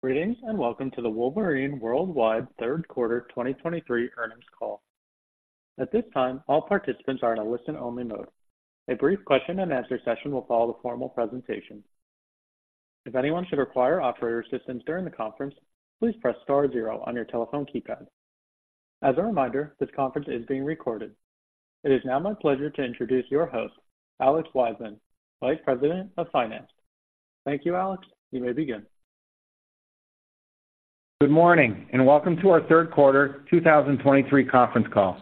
Greetings, and welcome to the Wolverine Worldwide third quarter 2023 earnings call. At this time, all participants are in a listen-only mode. A brief question-and-answer session will follow the formal presentation. If anyone should require operator assistance during the conference, please press star zero on your telephone keypad. As a reminder, this conference is being recorded. It is now my pleasure to introduce your host, Alex Wiseman, Vice President of Finance. Thank you, Alex. You may begin. Good morning, and welcome to our third quarter 2023 conference call.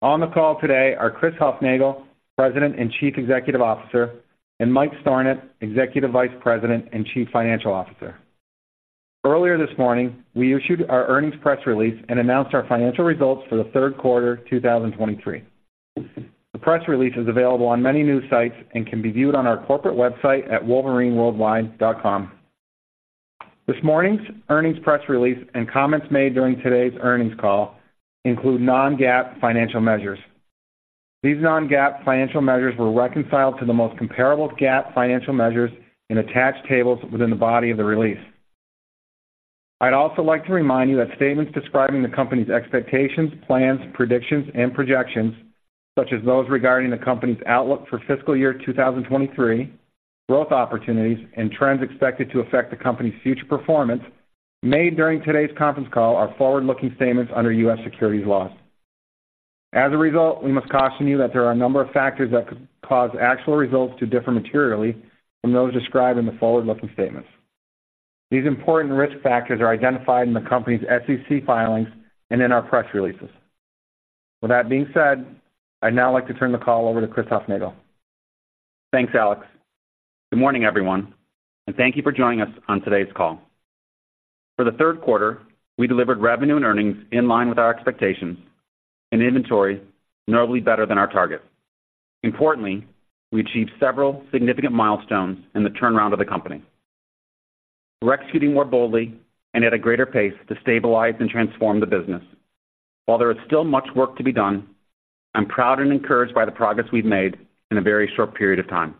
On the call today are Chris Hufnagel, President and Chief Executive Officer, and Mike Stornant, Executive Vice President and Chief Financial Officer. Earlier this morning, we issued our earnings press release and announced our financial results for the third quarter 2023. The press release is available on many news sites and can be viewed on our corporate website at wolverineworldwide.com. This morning's earnings press release and comments made during today's earnings call include non-GAAP financial measures. These non-GAAP financial measures were reconciled to the most comparable GAAP financial measures in attached tables within the body of the release. I'd also like to remind you that statements describing the company's expectations, plans, predictions, and projections, such as those regarding the company's outlook for fiscal year 2023, growth opportunities, and trends expected to affect the company's future performance, made during today's conference call are forward-looking statements under U.S. securities laws. As a result, we must caution you that there are a number of factors that could cause actual results to differ materially from those described in the forward-looking statements. These important risk factors are identified in the company's SEC filings and in our press releases. With that being said, I'd now like to turn the call over to Chris Hufnagel. Thanks, Alex. Good morning, everyone, and thank you for joining us on today's call. For the third quarter, we delivered revenue and earnings in line with our expectations and inventory notably better than our target. Importantly, we achieved several significant milestones in the turnaround of the company. We're executing more boldly and at a greater pace to stabilize and transform the business. While there is still much work to be done, I'm proud and encouraged by the progress we've made in a very short period of time.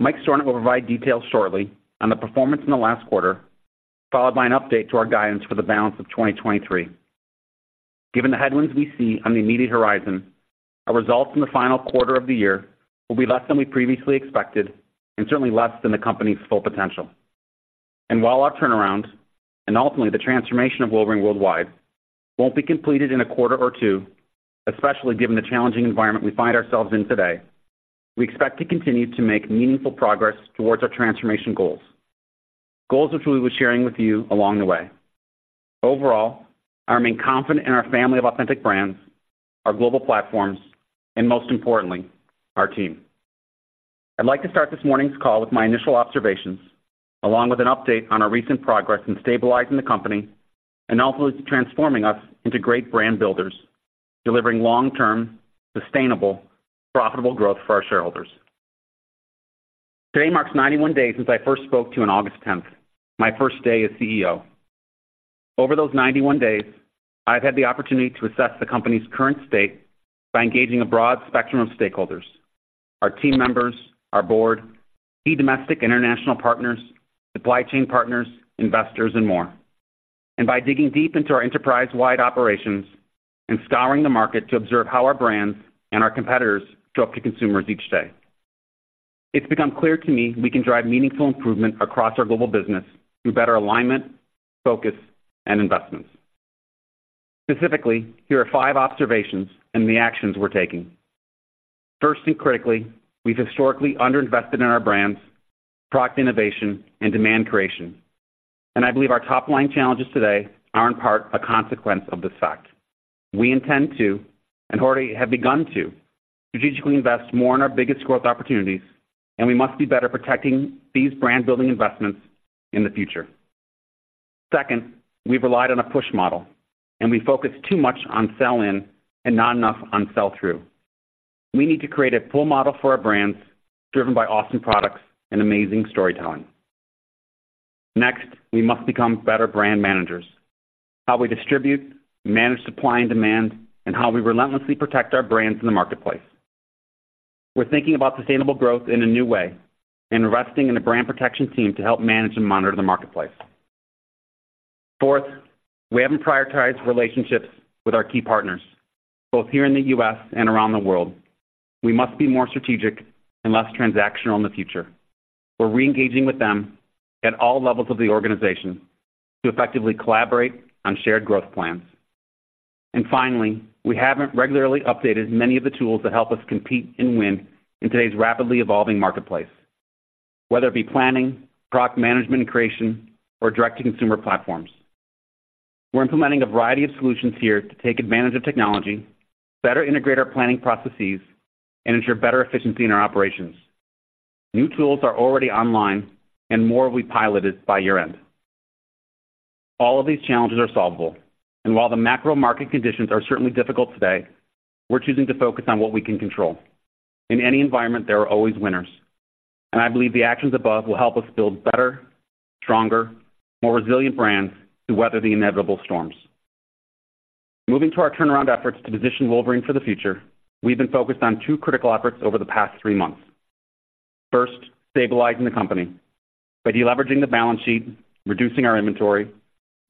Mike Stornant will provide details shortly on the performance in the last quarter, followed by an update to our guidance for the balance of 2023. Given the headwinds we see on the immediate horizon, our results in the final quarter of the year will be less than we previously expected and certainly less than the company's full potential. While our turnaround, and ultimately the transformation of Wolverine Worldwide, won't be completed in a quarter or two, especially given the challenging environment we find ourselves in today, we expect to continue to make meaningful progress towards our transformation goals, goals which we'll be sharing with you along the way. Overall, I remain confident in our family of authentic brands, our global platforms, and most importantly, our team. I'd like to start this morning's call with my initial observations, along with an update on our recent progress in stabilizing the company and ultimately transforming us into great brand builders, delivering long-term, sustainable, profitable growth for our shareholders. Today marks 91 days since I first spoke to you on August tenth, my first day as CEO. Over those 91 days, I've had the opportunity to assess the company's current state by engaging a broad spectrum of stakeholders, our team members, our board, key domestic and international partners, supply chain partners, investors, and more. By digging deep into our enterprise-wide operations and scouring the market to observe how our brands and our competitors show up to consumers each day, it's become clear to me we can drive meaningful improvement across our global business through better alignment, focus, and investments. Specifically, here are five observations and the actions we're taking. First, and critically, we've historically underinvested in our brands, product innovation, and demand creation, and I believe our top-line challenges today are in part a consequence of this fact. We intend to, and already have begun to, strategically invest more in our biggest growth opportunities, and we must be better protecting these brand-building investments in the future. Second, we've relied on a push model, and we focus too much on sell-in and not enough on sell-through. We need to create a pull model for our brands, driven by awesome products and amazing storytelling. Next, we must become better brand managers. How we distribute, manage supply and demand, and how we relentlessly protect our brands in the marketplace. We're thinking about sustainable growth in a new way and investing in a brand protection team to help manage and monitor the marketplace. Fourth, we haven't prioritized relationships with our key partners, both here in the U.S. and around the world. We must be more strategic and less transactional in the future. We're re-engaging with them at all levels of the organization to effectively collaborate on shared growth plans. And finally, we haven't regularly updated many of the tools that help us compete and win in today's rapidly evolving marketplace, whether it be planning, product management and creation, or direct-to-consumer platforms. We're implementing a variety of solutions here to take advantage of technology, better integrate our planning processes, and ensure better efficiency in our operations. New tools are already online and more will be piloted by year-end. All of these challenges are solvable, and while the macro market conditions are certainly difficult today, we're choosing to focus on what we can control. In any environment, there are always winners, and I believe the actions above will help us build better, stronger, more resilient brands to weather the inevitable storms... Moving to our turnaround efforts to position Wolverine for the future, we've been focused on two critical efforts over the past three months. First, stabilizing the company by deleveraging the balance sheet, reducing our inventory,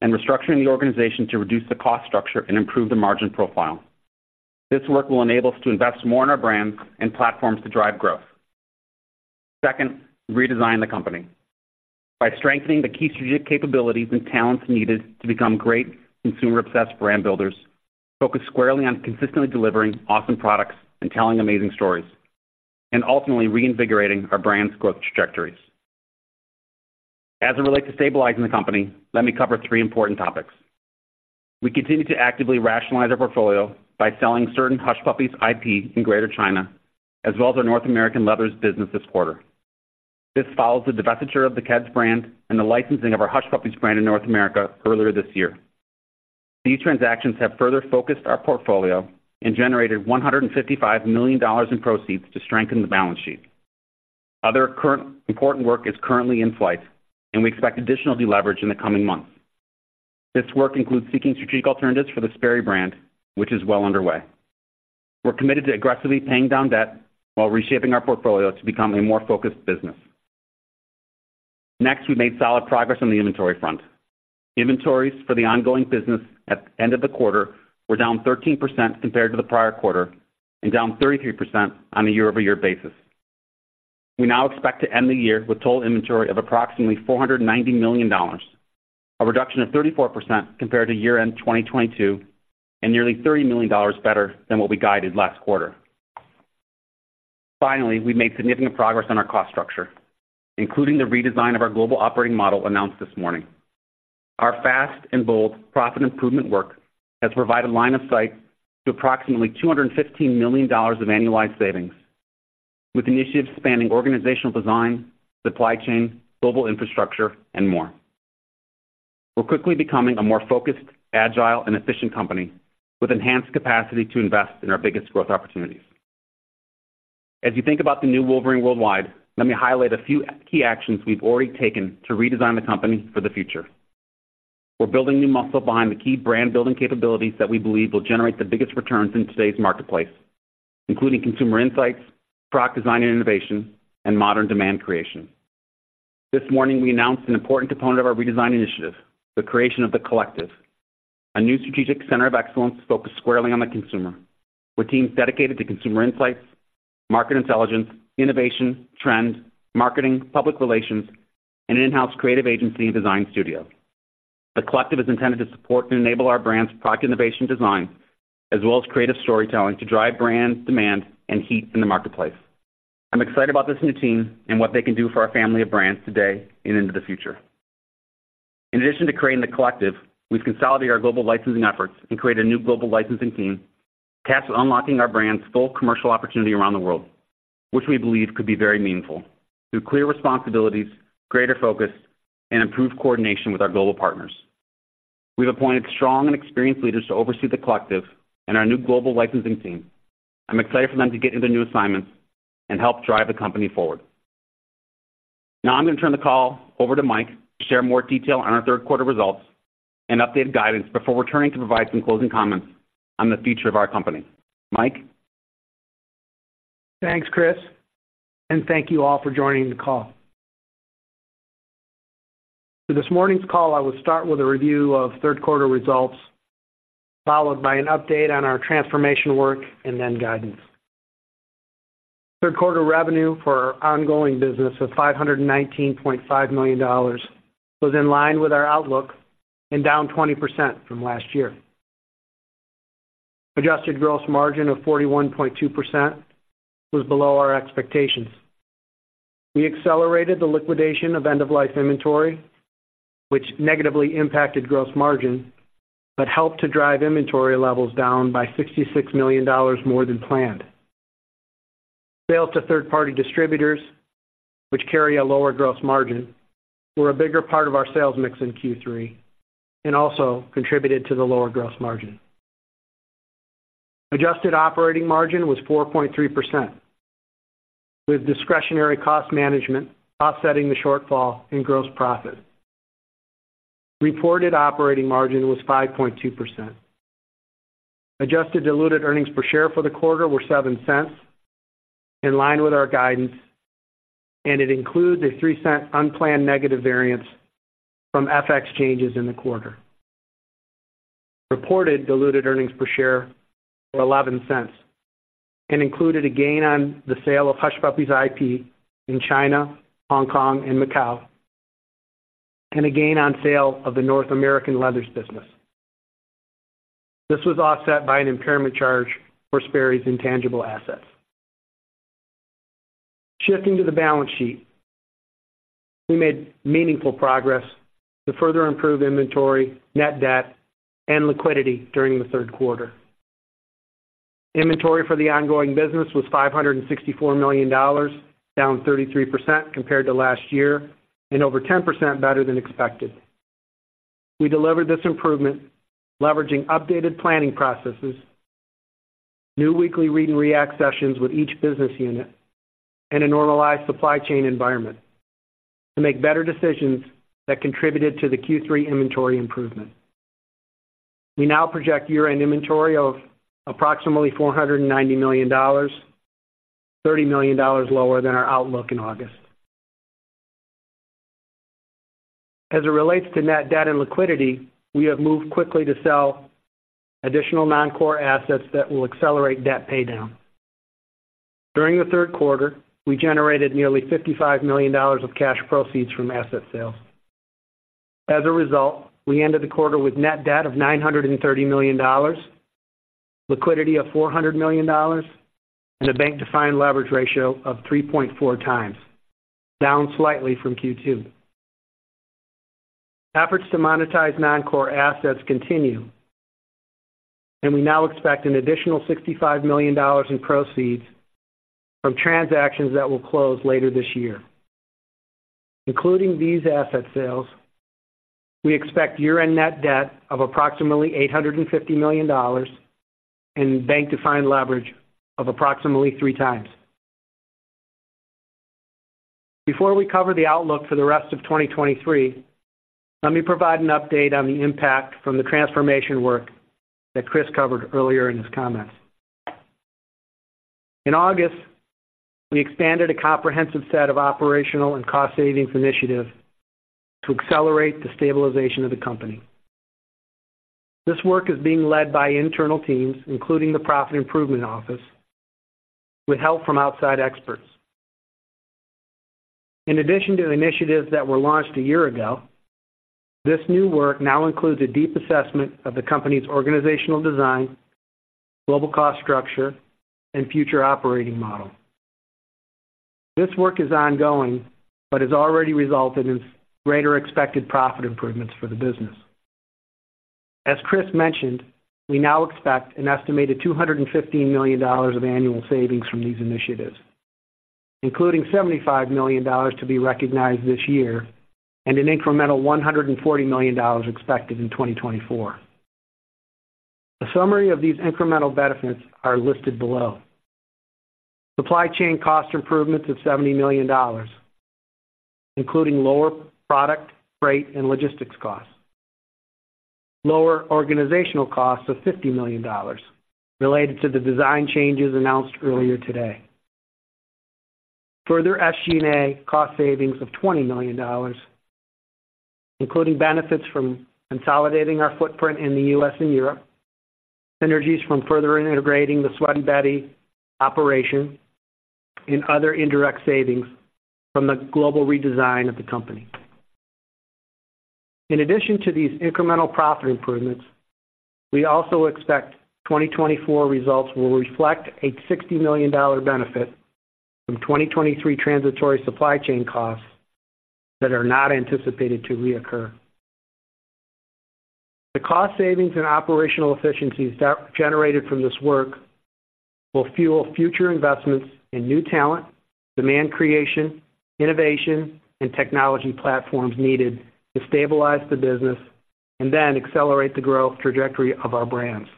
and restructuring the organization to reduce the cost structure and improve the margin profile. This work will enable us to invest more in our brands and platforms to drive growth. Second, redesign the company by strengthening the key strategic capabilities and talents needed to become great consumer-obsessed brand builders, focused squarely on consistently delivering awesome products and telling amazing stories, and ultimately reinvigorating our brands' growth trajectories. As it relates to stabilizing the company, let me cover three important topics. We continue to actively rationalize our portfolio by selling certain Hush Puppies IP in Greater China, as well as our North American Leathers business this quarter. This follows the divestiture of the Keds brand and the licensing of our Hush Puppies brand in North America earlier this year. These transactions have further focused our portfolio and generated $155 million in proceeds to strengthen the balance sheet. Other current important work is currently in flight, and we expect additional deleverage in the coming months. This work includes seeking strategic alternatives for the Sperry brand, which is well underway. We're committed to aggressively paying down debt while reshaping our portfolio to become a more focused business. Next, we made solid progress on the inventory front. Inventories for the ongoing business at the end of the quarter were down 13% compared to the prior quarter, and down 33% on a year-over-year basis. We now expect to end the year with total inventory of approximately $490 million, a reduction of 34% compared to year-end 2022, and nearly $30 million better than what we guided last quarter. Finally, we made significant progress on our cost structure, including the redesign of our global operating model announced this morning. Our fast and bold profit improvement work has provided line of sight to approximately $215 million of annualized savings, with initiatives spanning organizational design, supply chain, global infrastructure, and more. We're quickly becoming a more focused, agile, and efficient company with enhanced capacity to invest in our biggest growth opportunities. As you think about the new Wolverine Worldwide, let me highlight a few key actions we've already taken to redesign the company for the future. We're building new muscle behind the key brand-building capabilities that we believe will generate the biggest returns in today's marketplace, including consumer insights, product design and innovation, and modern demand creation. This morning, we announced an important component of our redesign initiative, the creation of the Collective, a new strategic center of excellence focused squarely on the consumer, with teams dedicated to consumer insights, market intelligence, innovation, trends, marketing, public relations, and an in-house creative agency and design studio. The Collective is intended to support and enable our brands' product innovation design, as well as creative storytelling to drive brand demand and heat in the marketplace. I'm excited about this new team and what they can do for our family of brands today and into the future. In addition to creating the Collective, we've consolidated our global licensing efforts and created a new global licensing team, tasked with unlocking our brand's full commercial opportunity around the world, which we believe could be very meaningful, through clear responsibilities, greater focus, and improved coordination with our global partners. We've appointed strong and experienced leaders to oversee the Collective and our new global licensing team. I'm excited for them to get into their new assignments and help drive the company forward. Now I'm going to turn the call over to Mike to share more detail on our third quarter results and updated guidance before returning to provide some closing comments on the future of our company. Mike? Thanks, Chris, and thank you all for joining the call. So this morning's call, I will start with a review of third quarter results, followed by an update on our transformation work and then guidance. Third quarter revenue for our ongoing business was $519.5 million, was in line with our outlook and down 20% from last year. Adjusted gross margin of 41.2% was below our expectations. We accelerated the liquidation of end-of-life inventory, which negatively impacted gross margin, but helped to drive inventory levels down by $66 million more than planned. Sales to third-party distributors, which carry a lower gross margin, were a bigger part of our sales mix in Q3 and also contributed to the lower gross margin. Adjusted operating margin was 4.3%, with discretionary cost management offsetting the shortfall in gross profit. Reported operating margin was 5.2%. Adjusted diluted earnings per share for the quarter were $0.07, in line with our guidance, and it includes a $0.03 unplanned negative variance from FX changes in the quarter. Reported diluted earnings per share were $0.11 and included a gain on the sale of Hush Puppies IP in China, Hong Kong, and Macau, and a gain on sale of the North American Leathers business. This was offset by an impairment charge for Sperry's intangible assets. Shifting to the balance sheet, we made meaningful progress to further improve inventory, net debt, and liquidity during the third quarter. Inventory for the ongoing business was $564 million, down 33% compared to last year, and over 10% better than expected. We delivered this improvement leveraging updated planning processes,... New weekly read and react sessions with each business unit, and a normalized supply chain environment to make better decisions that contributed to the Q3 inventory improvement. We now project year-end inventory of approximately $490 million, $30 million lower than our outlook in August. As it relates to net debt and liquidity, we have moved quickly to sell additional non-core assets that will accelerate debt paydown. During the third quarter, we generated nearly $55 million of cash proceeds from asset sales. As a result, we ended the quarter with net debt of $930 million, liquidity of $400 million, and a bank-defined leverage ratio of 3.4 times, down slightly from Q2. Efforts to monetize non-core assets continue, and we now expect an additional $65 million in proceeds from transactions that will close later this year. Including these asset sales, we expect year-end net debt of approximately $850 million and bank-defined leverage of approximately 3x. Before we cover the outlook for the rest of 2023, let me provide an update on the impact from the transformation work that Chris covered earlier in his comments. In August, we expanded a comprehensive set of operational and cost savings initiatives to accelerate the stabilization of the company. This work is being led by internal teams, including the Profit Improvement Office, with help from outside experts. In addition to initiatives that were launched a year ago, this new work now includes a deep assessment of the company's organizational design, global cost structure, and future operating model. This work is ongoing, but has already resulted in greater expected profit improvements for the business. As Chris mentioned, we now expect an estimated $215 million of annual savings from these initiatives, including $75 million to be recognized this year and an incremental $140 million expected in 2024. A summary of these incremental benefits are listed below. Supply chain cost improvements of $70 million, including lower product, freight, and logistics costs. Lower organizational costs of $50 million related to the design changes announced earlier today. Further SG&A cost savings of $20 million, including benefits from consolidating our footprint in the U.S. and Europe, synergies from further integrating the Sweaty Betty operation, and other indirect savings from the global redesign of the company. In addition to these incremental profit improvements, we also expect 2024 results will reflect a $60 million benefit from 2023 transitory supply chain costs that are not anticipated to reoccur. The cost savings and operational efficiencies that generated from this work will fuel future investments in new talent, demand creation, innovation, and technology platforms needed to stabilize the business and then accelerate the growth trajectory of our brands.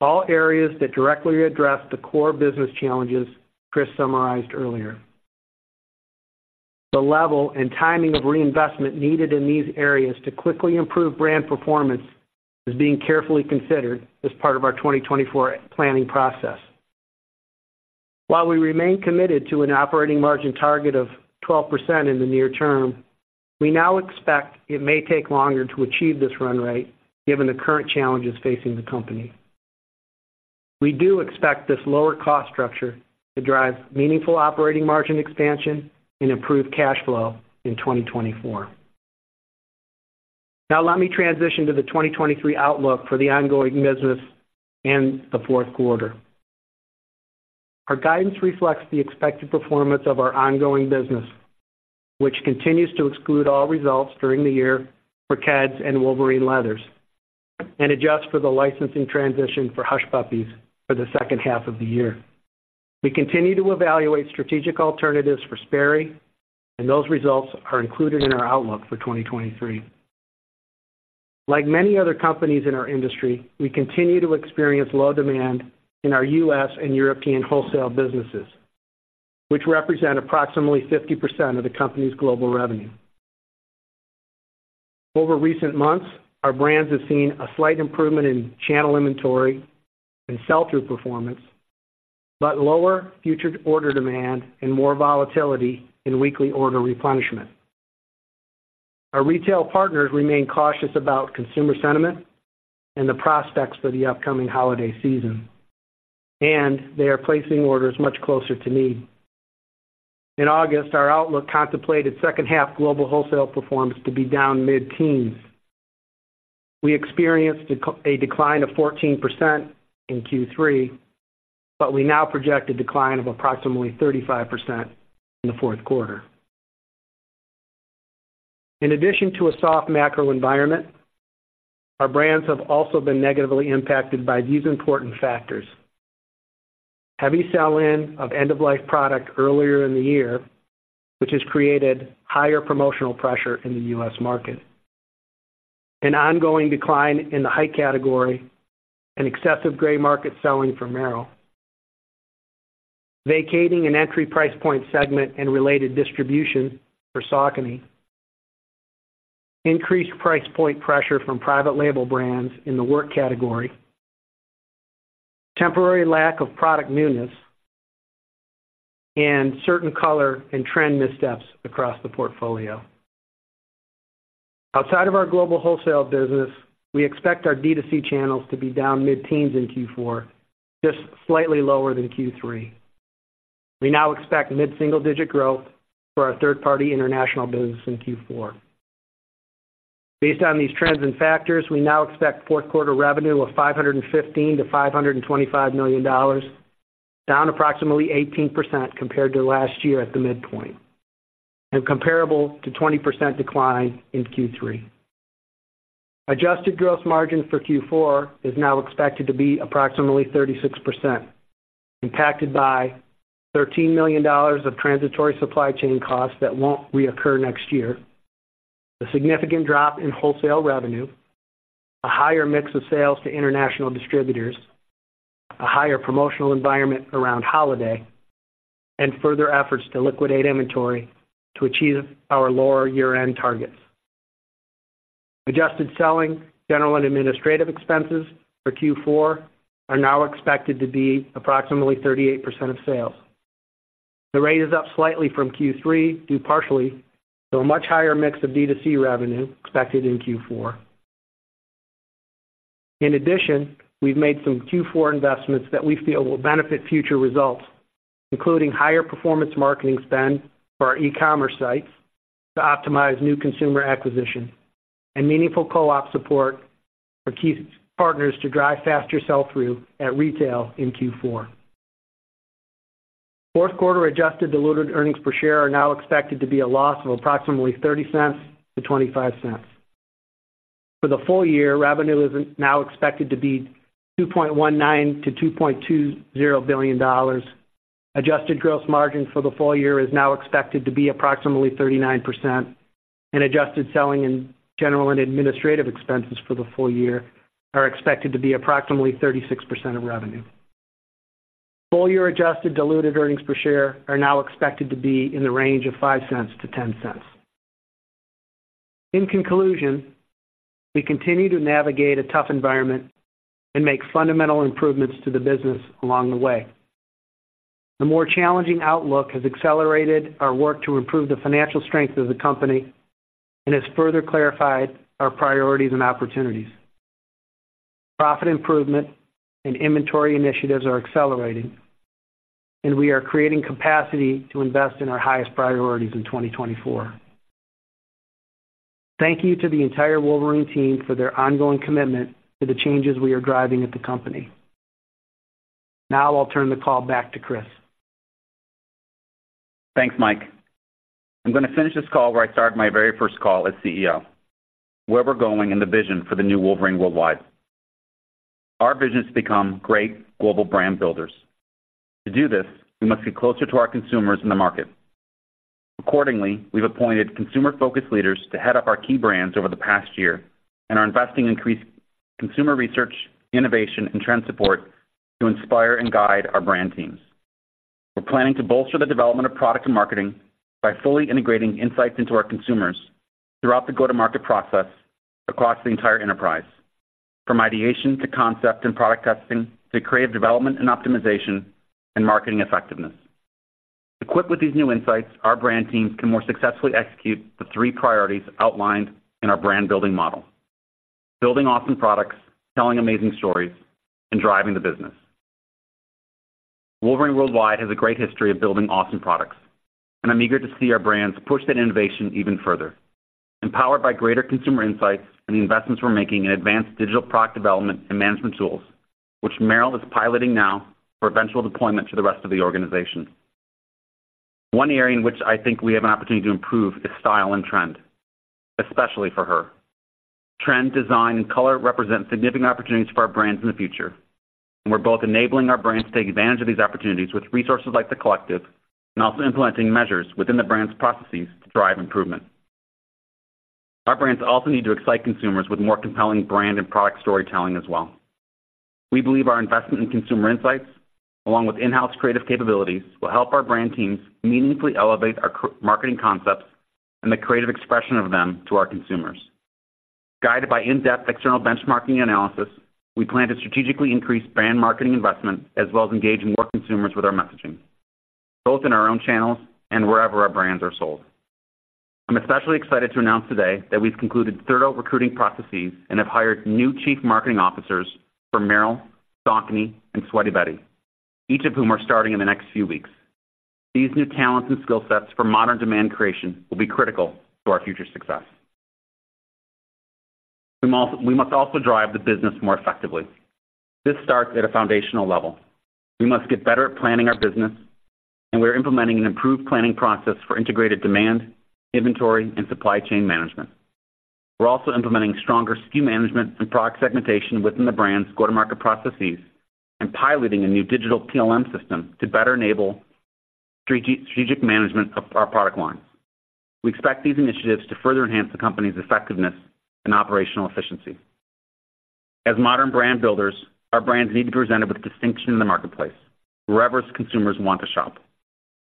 All areas that directly address the core business challenges Chris summarized earlier. The level and timing of reinvestment needed in these areas to quickly improve brand performance is being carefully considered as part of our 2024 planning process. While we remain committed to an operating margin target of 12% in the near term, we now expect it may take longer to achieve this run rate given the current challenges facing the company. We do expect this lower cost structure to drive meaningful operating margin expansion and improve cash flow in 2024. Now let me transition to the 2023 outlook for the ongoing business and the fourth quarter. Our guidance reflects the expected performance of our ongoing business, which continues to exclude all results during the year for Keds and Wolverine Leathers, and adjust for the licensing transition for Hush Puppies for the second half of the year. We continue to evaluate strategic alternatives for Sperry, and those results are included in our outlook for 2023. Like many other companies in our industry, we continue to experience low demand in our U.S. and European wholesale businesses, which represent approximately 50% of the company's global revenue. Over recent months, our brands have seen a slight improvement in channel inventory and sell-through performance, but lower future order demand and more volatility in weekly order replenishment. Our retail partners remain cautious about consumer sentiment and the prospects for the upcoming holiday season, and they are placing orders much closer to need. In August, our outlook contemplated second half global wholesale performance to be down mid-teens. We experienced a decline of 14% in Q3, but we now project a decline of approximately 35% in the fourth quarter. In addition to a soft macro environment, our brands have also been negatively impacted by these important factors. Heavy sell-in of end-of-life product earlier in the year, which has created higher promotional pressure in the U.S. market... an ongoing decline in the hike category, and excessive Gray Market selling for Merrell. Vacating an entry price point segment and related distribution for Saucony. Increased price point pressure from private label brands in the work category, temporary lack of product newness, and certain color and trend missteps across the portfolio. Outside of our global wholesale business, we expect our D2C channels to be down mid-teens in Q4, just slightly lower than Q3. We now expect mid-single-digit growth for our third-party international business in Q4. Based on these trends and factors, we now expect fourth quarter revenue of $515 million-$525 million, down approximately 18% compared to last year at the midpoint, and comparable to 20% decline in Q3. Adjusted gross margin for Q4 is now expected to be approximately 36%, impacted by $13 million of transitory supply chain costs that won't reoccur next year, a significant drop in wholesale revenue, a higher mix of sales to international distributors, a higher promotional environment around holiday, and further efforts to liquidate inventory to achieve our lower year-end targets. Adjusted selling, general and administrative expenses for Q4 are now expected to be approximately 38% of sales. The rate is up slightly from Q3, due partially to a much higher mix of D2C revenue expected in Q4. In addition, we've made some Q4 investments that we feel will benefit future results, including higher performance marketing spend for our e-commerce sites to optimize new consumer acquisition and meaningful co-op support for key partners to drive faster sell-through at retail in Q4. Fourth quarter adjusted diluted earnings per share are now expected to be a loss of approximately $0.30-$0.25. For the full year, revenue is now expected to be $2.19-$2.20 billion. Adjusted gross margin for the full year is now expected to be approximately 39%, and adjusted selling and general and administrative expenses for the full year are expected to be approximately 36% of revenue. Full year adjusted diluted earnings per share are now expected to be in the range of $0.05-$0.10. In conclusion, we continue to navigate a tough environment and make fundamental improvements to the business along the way. The more challenging outlook has accelerated our work to improve the financial strength of the company and has further clarified our priorities and opportunities. Profit improvement and inventory initiatives are accelerating, and we are creating capacity to invest in our highest priorities in 2024. Thank you to the entire Wolverine team for their ongoing commitment to the changes we are driving at the company. Now I'll turn the call back to Chris. Thanks, Mike. I'm going to finish this call where I started my very first call as CEO, where we're going and the vision for the new Wolverine Worldwide. Our vision is to become great global brand builders. To do this, we must get closer to our consumers in the market. Accordingly, we've appointed consumer-focused leaders to head up our key brands over the past year and are investing in increased consumer research, innovation, and trend support to inspire and guide our brand teams. We're planning to bolster the development of product and marketing by fully integrating insights into our consumers throughout the go-to-market process across the entire enterprise, from ideation to concept and product testing, to creative development and optimization, and marketing effectiveness. Equipped with these new insights, our brand teams can more successfully execute the three priorities outlined in our brand building model: building awesome products, telling amazing stories, and driving the business. Wolverine Worldwide has a great history of building awesome products, and I'm eager to see our brands push that innovation even further, empowered by greater consumer insights and the investments we're making in advanced digital product development and management tools, which Merrell is piloting now for eventual deployment to the rest of the organization. One area in which I think we have an opportunity to improve is style and trend, especially for her. Trend, design, and color represent significant opportunities for our brands in the future, and we're both enabling our brands to take advantage of these opportunities with resources like the Collective and also implementing measures within the brand's processes to drive improvement. Our brands also need to excite consumers with more compelling brand and product storytelling as well. We believe our investment in consumer insights, along with in-house creative capabilities, will help our brand teams meaningfully elevate our marketing concepts and the creative expression of them to our consumers. Guided by in-depth external benchmarking analysis, we plan to strategically increase brand marketing investment, as well as engaging more consumers with our messaging, both in our own channels and wherever our brands are sold. I'm especially excited to announce today that we've concluded thorough recruiting processes and have hired new chief marketing officers for Merrell, Saucony, and Sweaty Betty, each of whom are starting in the next few weeks. These new talents and skill sets for modern demand creation will be critical to our future success. We must also drive the business more effectively. This starts at a foundational level. We must get better at planning our business, and we're implementing an improved planning process for integrated demand, inventory, and supply chain management. We're also implementing stronger SKU management and product segmentation within the brand's go-to-market processes and piloting a new digital PLM system to better enable strategic, strategic management of our product line. We expect these initiatives to further enhance the company's effectiveness and operational efficiency. As modern brand builders, our brands need to be presented with distinction in the marketplace, wherever consumers want to shop.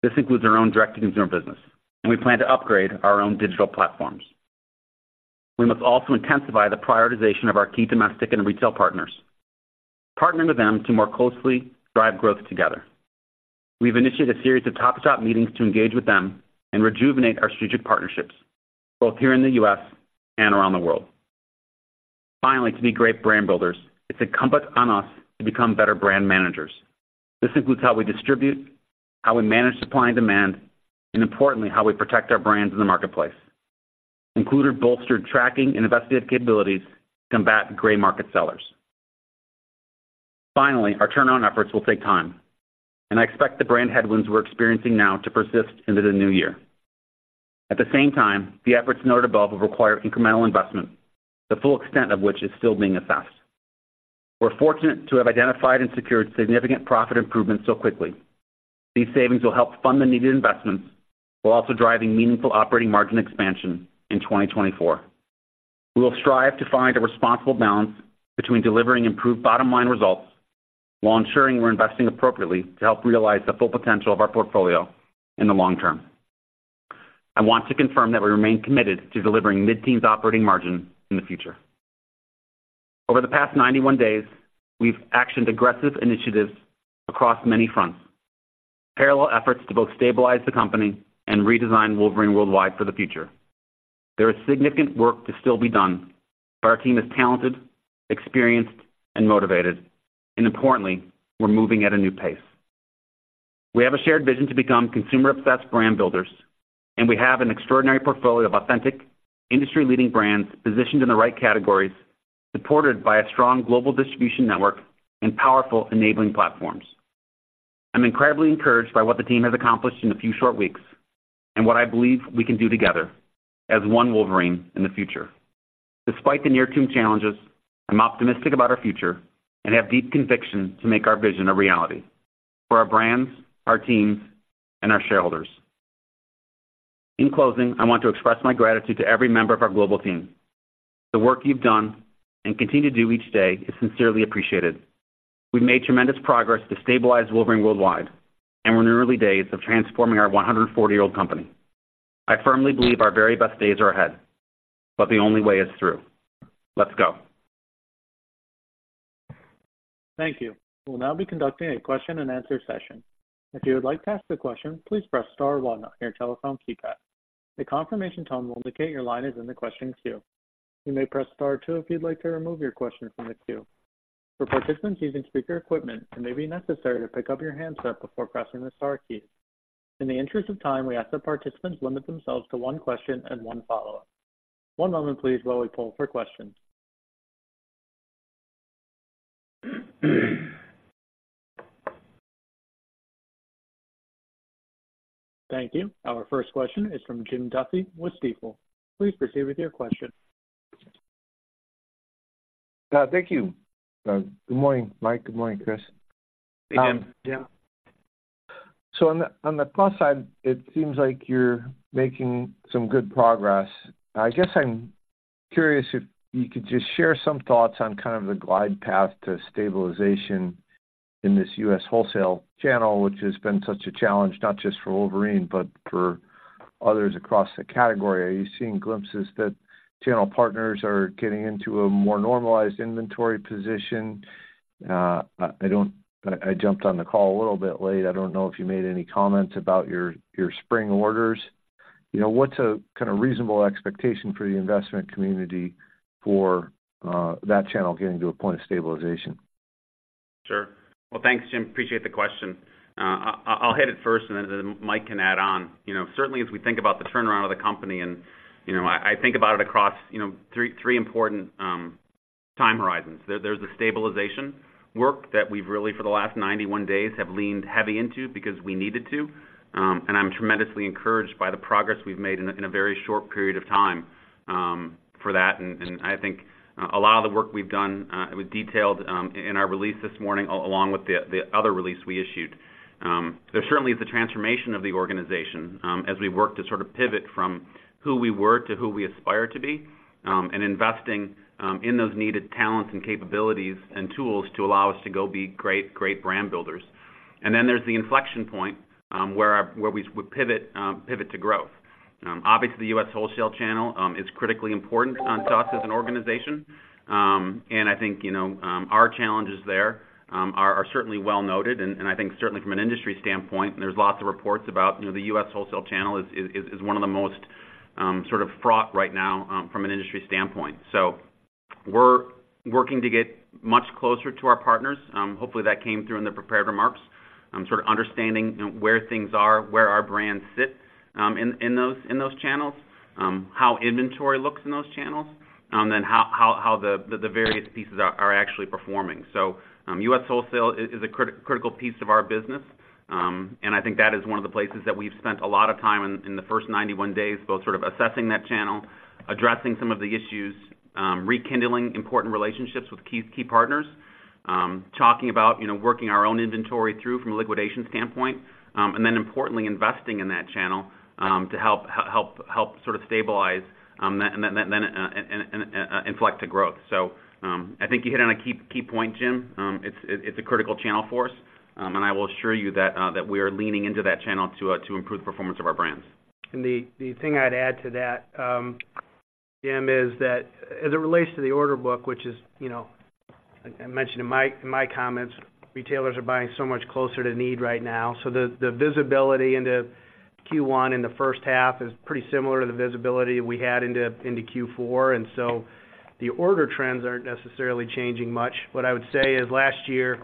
This includes our own direct-to-consumer business, and we plan to upgrade our own digital platforms. We must also intensify the prioritization of our key domestic and retail partners, partnering with them to more closely drive growth together. We've initiated a series of top-of-top meetings to engage with them and rejuvenate our strategic partnerships, both here in the U.S. and around the world. Finally, to be great brand builders, it's incumbent on us to become better brand managers. This includes how we distribute, how we manage supply and demand, and importantly, how we protect our brands in the marketplace, including bolstered tracking and investigative capabilities to combat Gray Market sellers. Finally, our turnaround efforts will take time, and I expect the brand headwinds we're experiencing now to persist into the new year. At the same time, the efforts noted above will require incremental investment, the full extent of which is still being assessed. We're fortunate to have identified and secured significant profit improvements so quickly. These savings will help fund the needed investments, while also driving meaningful operating margin expansion in 2024. We will strive to find a responsible balance between delivering improved bottom line results, while ensuring we're investing appropriately to help realize the full potential of our portfolio in the long term. I want to confirm that we remain committed to delivering mid-teen operating margin in the future. Over the past 91 days, we've actioned aggressive initiatives across many fronts. Parallel efforts to both stabilize the company and redesign Wolverine Worldwide for the future. There is significant work to still be done, but our team is talented, experienced, and motivated, and importantly, we're moving at a new pace. We have a shared vision to become consumer-obsessed brand builders, and we have an extraordinary portfolio of authentic, industry-leading brands positioned in the right categories, supported by a strong global distribution network and powerful enabling platforms. I'm incredibly encouraged by what the team has accomplished in a few short weeks and what I believe we can do together as one Wolverine in the future. Despite the near-term challenges, I'm optimistic about our future and have deep conviction to make our vision a reality for our brands, our teams, and our shareholders. In closing, I want to express my gratitude to every member of our global team. The work you've done and continue to do each day is sincerely appreciated. We've made tremendous progress to stabilize Wolverine Worldwide, and we're in the early days of transforming our 140-year-old company. I firmly believe our very best days are ahead, but the only way is through. Let's go! Thank you. We'll now be conducting a question-and-answer session. If you would like to ask a question, please press star one on your telephone keypad. A confirmation tone will indicate your line is in the question queue. You may press star two if you'd like to remove your question from the queue. For participants using speaker equipment, it may be necessary to pick up your handset before pressing the star key. In the interest of time, we ask that participants limit themselves to one question and one follow-up. One moment please while we poll for questions. Thank you. Our first question is from Jim Duffy with Stifel. Please proceed with your question. Thank you. Good morning, Mike. Good morning, Chris. Hey, Jim. Yeah. On the plus side, it seems like you're making some good progress. I guess I'm curious if you could just share some thoughts on kind of the glide path to stabilization in this U.S. wholesale channel, which has been such a challenge, not just for Wolverine, but for others across the category. Are you seeing glimpses that channel partners are getting into a more normalized inventory position? I jumped on the call a little bit late. I don't know if you made any comments about your spring orders. You know, what's a kind of reasonable expectation for the investment community for that channel getting to a point of stabilization? Sure. Well, thanks, Jim. Appreciate the question. I’ll hit it first, and then Mike can add on. You know, certainly as we think about the turnaround of the company and, you know, I think about it across three important time horizons. There’s the stabilization work that we’ve really, for the last 91 days, have leaned heavy into because we needed to. And I’m tremendously encouraged by the progress we’ve made in a very short period of time for that. And I think a lot of the work we’ve done, it was detailed in our release this morning, along with the other release we issued. There certainly is the transformation of the organization, as we work to sort of pivot from who we were to who we aspire to be, and investing in those needed talents and capabilities and tools to allow us to go be great, great brand builders. And then there's the inflection point, where we pivot to growth. Obviously, the U.S. wholesale channel is critically important to us as an organization. And I think, you know, our challenges there are certainly well-noted. And I think certainly from an industry standpoint, there's lots of reports about, you know, the U.S. wholesale channel is one of the most sort of fraught right now from an industry standpoint. So we're working to get much closer to our partners. Hopefully, that came through in the prepared remarks. Sort of understanding, you know, where things are, where our brands sit, in those channels, how inventory looks in those channels, and how the various pieces are actually performing. So, U.S. wholesale is a critical piece of our business, and I think that is one of the places that we've spent a lot of time in, in the first 91 days, both sort of assessing that channel, addressing some of the issues, rekindling important relationships with key partners... talking about, you know, working our own inventory through from a liquidation standpoint, and then importantly, investing in that channel, to help sort of stabilize, and then inflect to growth. I think you hit on a key, key point, Jim. It's a critical channel for us, and I will assure you that we are leaning into that channel to improve the performance of our brands. The thing I'd add to that, Jim, is that as it relates to the order book, which is, you know, I mentioned in my, in my comments, retailers are buying so much closer to need right now. So the visibility into Q1 in the first half is pretty similar to the visibility we had into Q4. And so the order trends aren't necessarily changing much. What I would say is, last year,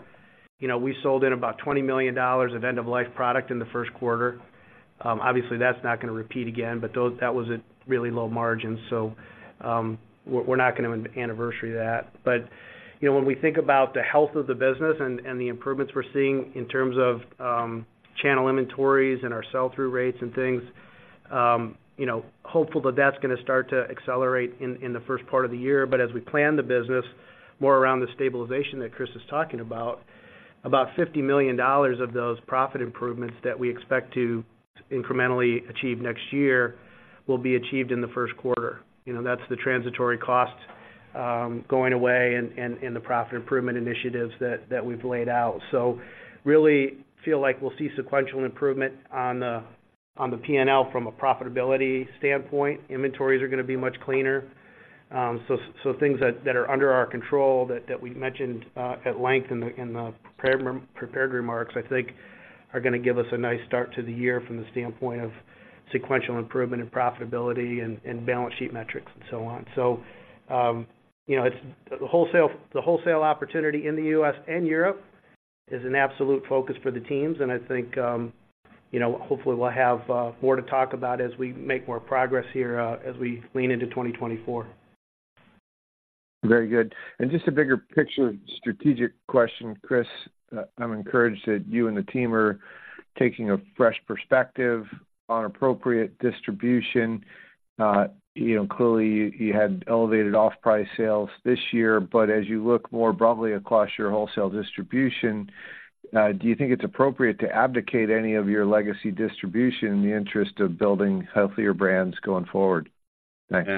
you know, we sold in about $20 million of end-of-life product in the first quarter. Obviously, that's not gonna repeat again, but that was a really low margin, so, we're not gonna anniversary that. You know, when we think about the health of the business and the improvements we're seeing in terms of channel inventories and our sell-through rates and things, you know, hopeful that that's gonna start to accelerate in the first part of the year. As we plan the business more around the stabilization that Chris is talking about, about $50 million of those profit improvements that we expect to incrementally achieve next year will be achieved in the first quarter. You know, that's the transitory costs going away and the profit improvement initiatives that we've laid out. Really feel like we'll see sequential improvement on the PNL from a profitability standpoint. Inventories are gonna be much cleaner. So things that are under our control that we mentioned at length in the prepared remarks, I think are gonna give us a nice start to the year from the standpoint of sequential improvement in profitability and balance sheet metrics and so on. So, you know, it's the wholesale opportunity in the U.S. and Europe is an absolute focus for the teams, and I think, you know, hopefully, we'll have more to talk about as we make more progress here, as we lean into 2024. Very good. And just a bigger picture, strategic question, Chris. I'm encouraged that you and the team are taking a fresh perspective on appropriate distribution. You know, clearly, you had elevated off-price sales this year, but as you look more broadly across your wholesale distribution, do you think it's appropriate to abdicate any of your legacy distribution in the interest of building healthier brands going forward? Thanks.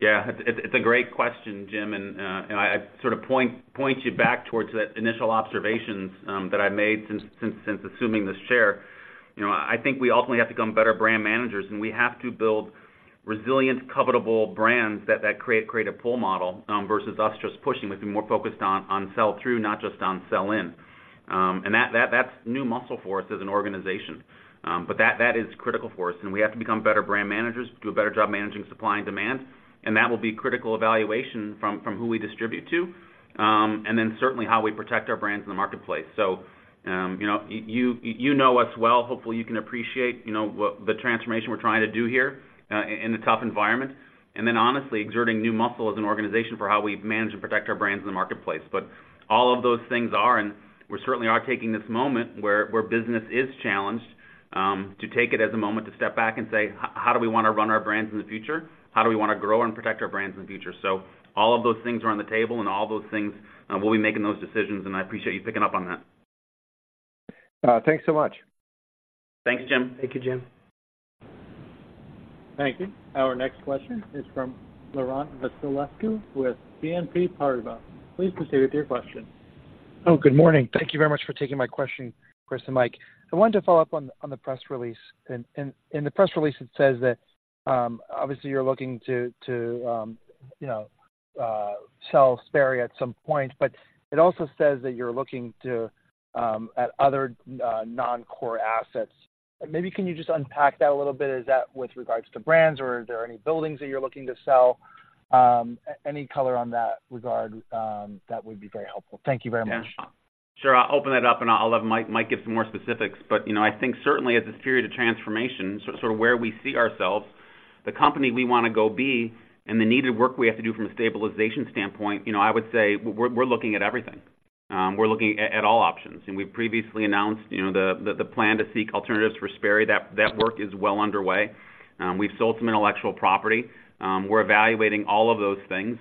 Yeah, it's a great question, Jim, and I sort of point you back towards the initial observations that I made since assuming this chair. You know, I think we ultimately have to become better brand managers, and we have to build resilient, covetable brands that create a pull model versus us just pushing. We've been more focused on sell-through, not just on sell-in. And that's new muscle for us as an organization. But that is critical for us, and we have to become better brand managers, do a better job managing supply and demand, and that will be critical evaluation from who we distribute to, and then certainly how we protect our brands in the marketplace. So, you know, you know us well. Hopefully, you can appreciate, you know, what the transformation we're trying to do here in a tough environment, and then honestly, exerting new muscle as an organization for how we manage and protect our brands in the marketplace. But all of those things are, and we certainly are taking this moment where business is challenged to take it as a moment to step back and say, "How do we wanna run our brands in the future? How do we wanna grow and protect our brands in the future?" So all of those things are on the table, and all those things, we'll be making those decisions, and I appreciate you picking up on that. Thanks so much. Thanks, Jim. Thank you, Jim. Thank you. Our next question is from Laurent Vasilescu with BNP Paribas. Please proceed with your question. Oh, good morning. Thank you very much for taking my question, Chris and Mike. I wanted to follow up on the press release. In the press release, it says that obviously, you're looking to you know sell Sperry at some point, but it also says that you're looking to at other non-core assets. Maybe can you just unpack that a little bit? Is that with regards to brands, or are there any buildings that you're looking to sell? Any color on that regard that would be very helpful. Thank you very much. Yeah. Sure, I'll open that up, and I'll let Mike, Mike give some more specifics. But, you know, I think certainly as this period of transformation, so where we see ourselves, the company we wanna go be, and the needed work we have to do from a stabilization standpoint, you know, I would say we're looking at everything. We're looking at all options, and we previously announced, you know, the plan to seek alternatives for Sperry. That work is well underway. We've sold some intellectual property. We're evaluating all of those things,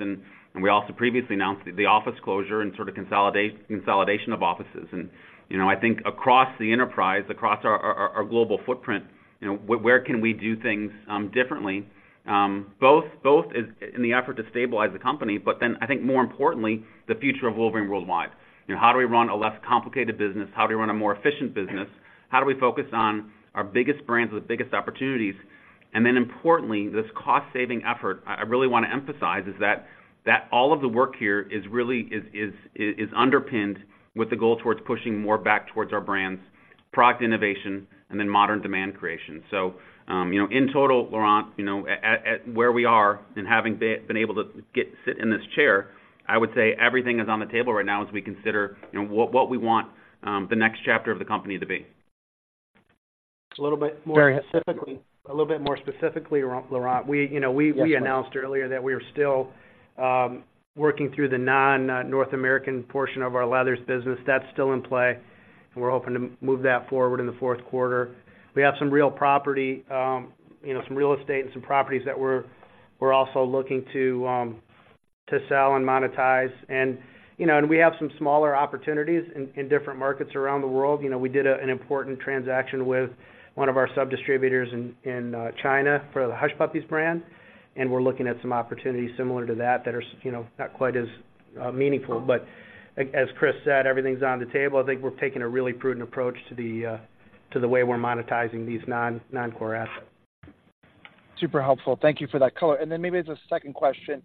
and we also previously announced the office closure and sort of consolidation of offices. And, you know, I think across the enterprise, across our global footprint, you know, where can we do things differently? Both in the effort to stabilize the company, but then I think more importantly, the future of Wolverine Worldwide. You know, how do we run a less complicated business? How do we run a more efficient business? How do we focus on our biggest brands with the biggest opportunities? And then importantly, this cost-saving effort, I really wanna emphasize, is that all of the work here is really underpinned with the goal towards pushing more back towards our brands, product innovation, and then modern demand creation. So, you know, in total, Laurent, you know, at where we are and having been able to sit in this chair, I would say everything is on the table right now as we consider, you know, what we want the next chapter of the company to be. A little bit more specifically... Very.. A little bit more specifically, Laurent, we, you know, we— Yes. We announced earlier that we are still working through the non-North American portion of our leathers business. That's still in play, and we're hoping to move that forward in the fourth quarter. We have some real property, you know, some real estate and some properties that we're also looking to sell and monetize. And, you know, and we have some smaller opportunities in different markets around the world. You know, we did an important transaction with one of our sub-distributors in China for the Hush Puppies brand, and we're looking at some opportunities similar to that that are, you know, not quite as meaningful. But as Chris said, everything's on the table. I think we're taking a really prudent approach to the way we're monetizing these non-core assets. Super helpful. Thank you for that color. And then maybe as a second question,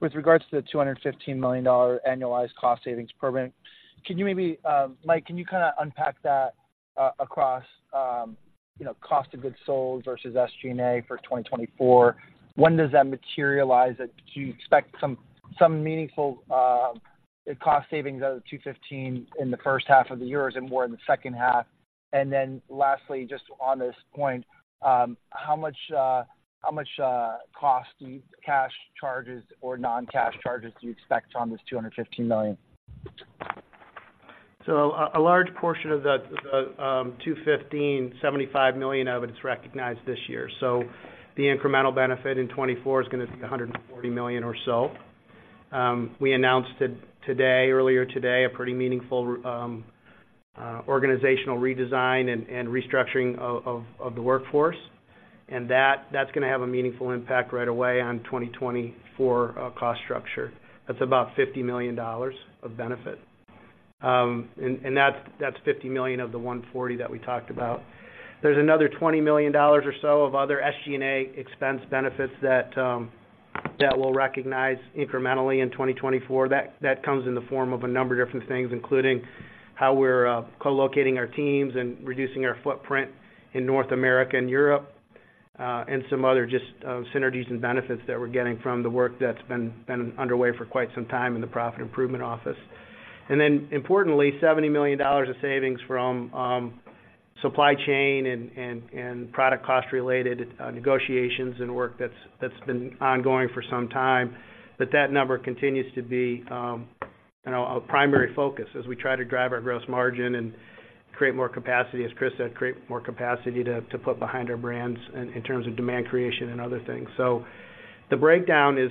with regards to the $215 million annualized cost savings program, can you maybe, Mike, can you kind of unpack that across, you know, cost of goods sold versus SG&A for 2024? When does that materialize? And do you expect some meaningful cost savings out of the 215 in the first half of the year and more in the second half? And then lastly, just on this point, how much cash charges or non-cash charges do you expect on this $215 million? So a large portion of that, the $215.75 million of it is recognized this year. So the incremental benefit in 2024 is gonna be $140 million or so. We announced it today, earlier today, a pretty meaningful organizational redesign and restructuring of the workforce. And that, that's gonna have a meaningful impact right away on 2024 cost structure. That's about $50 million of benefit. And that's $50 million of the $140 that we talked about. There's another $20 million or so of other SG&A expense benefits that we'll recognize incrementally in 2024. That, that comes in the form of a number of different things, including how we're co-locating our teams and reducing our footprint in North America and Europe, and some other just synergies and benefits that we're getting from the work that's been underway for quite some time in the Profit Improvement Office. And then importantly, $70 million of savings from supply chain and product cost-related negotiations and work that's been ongoing for some time. But that number continues to be, you know, a primary focus as we try to drive our gross margin and create more capacity, as Chris said, create more capacity to put behind our brands in terms of demand creation and other things. So the breakdown is,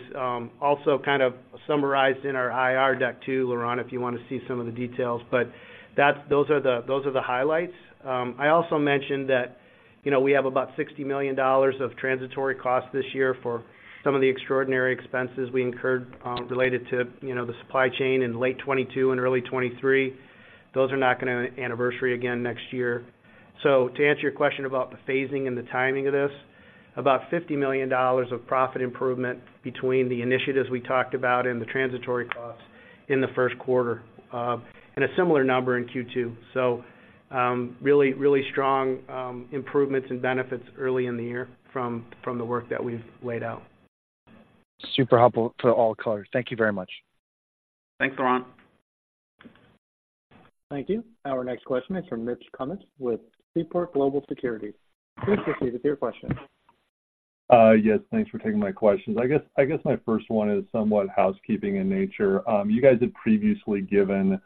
also kind of summarized in our IR deck too, Laurent, if you wanna see some of the details, but those are the highlights. I also mentioned that, you know, we have about $60 million of transitory costs this year for some of the extraordinary expenses we incurred, related to, you know, the supply chain in late 2022 and early 2023. Those are not gonna anniversary again next year. So to answer your question about the phasing and the timing of this, about $50 million of profit improvement between the initiatives we talked about and the transitory costs in the first quarter, and a similar number in Q2. So, really, really strong improvements and benefits early in the year from the work that we've laid out. Super helpful for all colors. Thank you very much. Thanks, Laurent. Thank you. Our next question is from Mitch Kummetz with Seaport Global Securities. Please proceed with your question. Yes, thanks for taking my questions. I guess, I guess my first one is somewhat housekeeping in nature. You guys had previously given,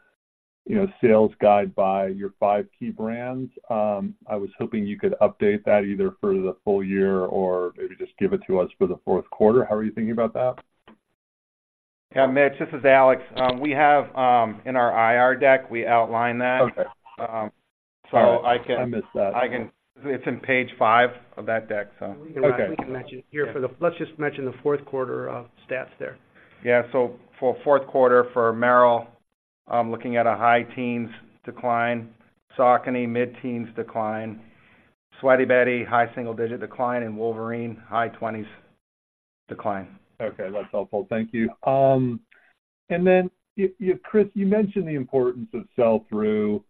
you know, sales guide by your five key brands. I was hoping you could update that either for the full year or maybe just give it to us for the fourth quarter. How are you thinking about that? Yeah, Mitch, this is Alex. We have, in our IR deck, we outline that. Okay. So I can... I missed that. It's in page 5 of that deck, so. Okay. We can mention it here. Let's just mention the fourth quarter stats there. Yeah, so for fourth quarter for Merrell, I'm looking at a high-teens decline. Saucony, mid-teens decline. Sweaty Betty, high single-digit decline, and Wolverine, high twenties decline. Okay, that's helpful. Thank you. And then Chris, you mentioned the importance of sell-through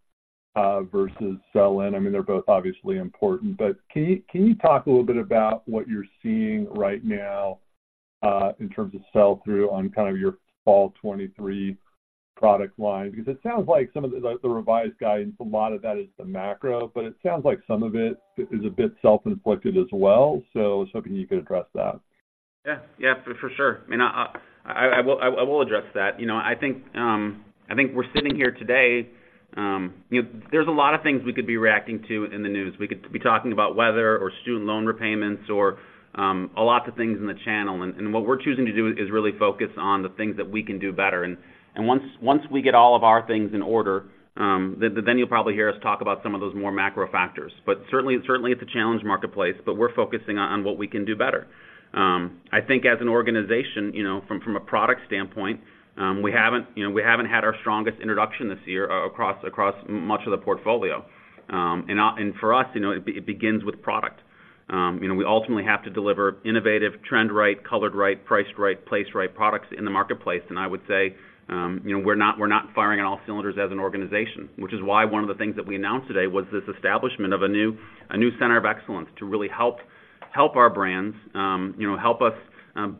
versus sell-in. I mean, they're both obviously important, but can you talk a little bit about what you're seeing right now in terms of sell-through on kind of your fall 2023 product line? Because it sounds like some of the revised guidance, a lot of that is the macro, but it sounds like some of it is a bit self-inflicted as well. So I was hoping you could address that. Yeah. Yeah, for sure. I mean, I will address that. You know, I think we're sitting here today, you know, there's a lot of things we could be reacting to in the news. We could be talking about weather or student loan repayments or a lot of things in the channel. And what we're choosing to do is really focus on the things that we can do better. And once we get all of our things in order, then you'll probably hear us talk about some of those more macro factors. But certainly it's a challenge marketplace, but we're focusing on what we can do better. I think as an organization, you know, from, from a product standpoint, we haven't, you know, we haven't had our strongest introduction this year across, across much of the portfolio. And, and for us, you know, it begins with product. You know, we ultimately have to deliver innovative, trend right, colored right, priced right, placed right products in the marketplace. And I would say, you know, we're not, we're not firing on all cylinders as an organization, which is why one of the things that we announced today was this establishment of a new, a new center of excellence to really help, help our brands, you know, help us,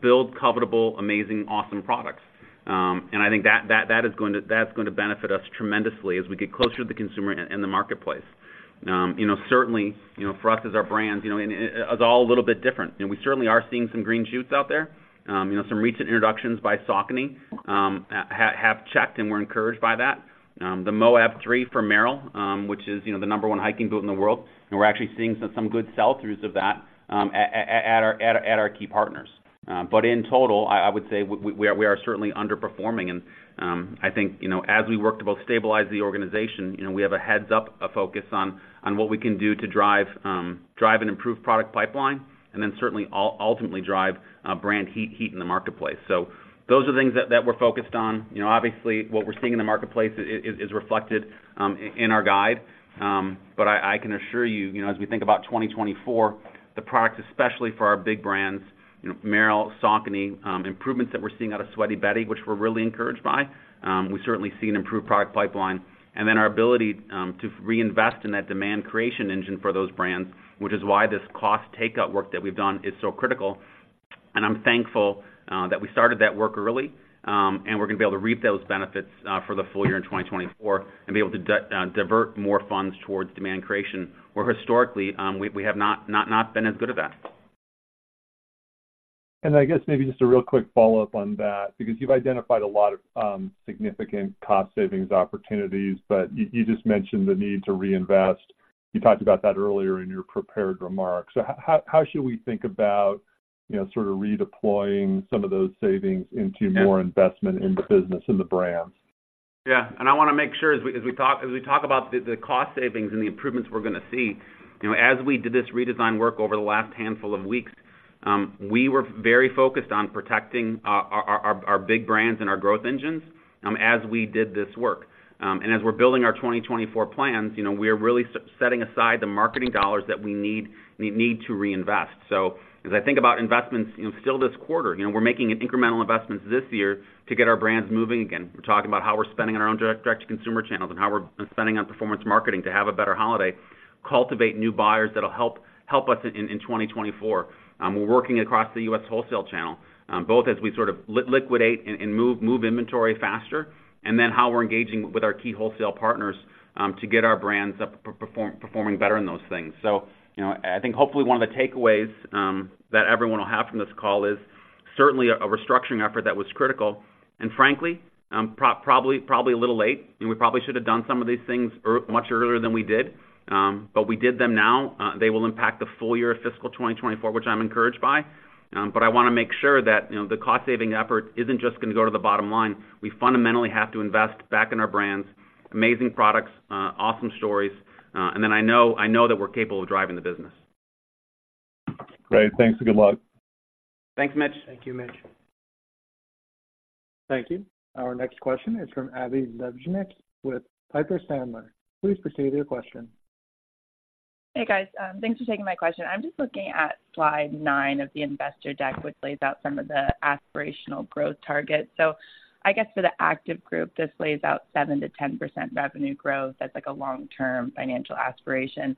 build covetable, amazing, awesome products. And I think that is going to benefit us tremendously as we get closer to the consumer and the marketplace. You know, certainly, you know, for us as our brands, you know, it is all a little bit different. And we certainly are seeing some green shoots out there. You know, some recent introductions by Saucony have checked, and we're encouraged by that. The Moab 3 for Merrell, which is, you know, the number one hiking boot in the world, and we're actually seeing some good sell-throughs of that at our key partners. But in total, I would say we are certainly underperforming. I think, you know, as we work to both stabilize the organization, you know, we have a heads-up, a focus on what we can do to drive an improved product pipeline, and then certainly ultimately drive brand heat in the marketplace. So those are things that we're focused on. You know, obviously, what we're seeing in the marketplace is reflected in our guide. But I can assure you, you know, as we think about 2024, the products, especially for our big brands, you know, Merrell, Saucony, improvements that we're seeing out of Sweaty Betty, which we're really encouraged by, we certainly see an improved product pipeline, and then our ability to reinvest in that demand creation engine for those brands, which is why this cost takeout work that we've done is so critical. And I'm thankful that we started that work early, and we're gonna be able to reap those benefits for the full year in 2024, and be able to divert more funds towards demand creation, where historically, we have not been as good at that. I guess maybe just a real quick follow-up on that, because you've identified a lot of significant cost savings opportunities, but you just mentioned the need to reinvest. You talked about that earlier in your prepared remarks. So how, how, how should we think about, you know, sort of redeploying some of those savings into more investment in the business and the brands? Yeah, and I wanna make sure as we talk about the cost savings and the improvements we're gonna see, you know, as we did this redesign work over the last handful of weeks, we were very focused on protecting our big brands and our growth engines as we did this work. And as we're building our 2024 plans, you know, we are really setting aside the marketing dollars that we need to reinvest. So as I think about investments, you know, still this quarter, you know, we're making incremental investments this year to get our brands moving again. We're talking about how we're spending on our own direct-to-consumer channels and how we're spending on performance marketing to have a better holiday, cultivate new buyers that'll help us in 2024. We're working across the U.S. wholesale channel, both as we sort of liquidate and move inventory faster, and then how we're engaging with our key wholesale partners, to get our brands up, performing better in those things. So, you know, I think hopefully one of the takeaways that everyone will have from this call is certainly a restructuring effort that was critical. And frankly, probably a little late, and we probably should have done some of these things much earlier than we did, but we did them now. They will impact the full year of fiscal 2024, which I'm encouraged by. But I wanna make sure that, you know, the cost-saving effort isn't just gonna go to the bottom line. We fundamentally have to invest back in our brands, amazing products, awesome stories, and then I know, I know that we're capable of driving the business. Great. Thanks, and good luck. Thanks, Mitch. Thank you, Mitch. Thank you. Our next question is from Abbie Zvejnieks with Piper Sandler. Please proceed with your question. Hey, guys. Thanks for taking my question. I'm just looking at slide 9 of the investor deck, which lays out some of the aspirational growth targets. So I guess for the Active Group, this lays out 7%-10% revenue growth. That's like a long-term financial aspiration.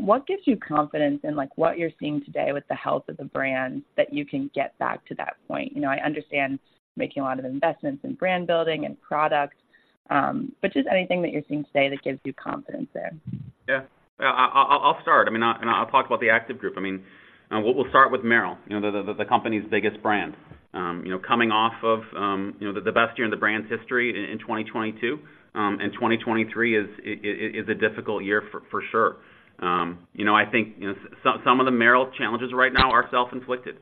What gives you confidence in, like, what you're seeing today with the health of the brand, that you can get back to that point? You know, I understand making a lot of investments in brand building and product, but just anything that you're seeing today that gives you confidence there? Yeah. I'll start. I mean, I'll talk about the Active Group. I mean, we'll start with Merrell, you know, the company's biggest brand. You know, coming off of the best year in the brand's history in 2022, and 2023 is a difficult year for sure. You know, I think some of the Merrell challenges right now are self-inflicted.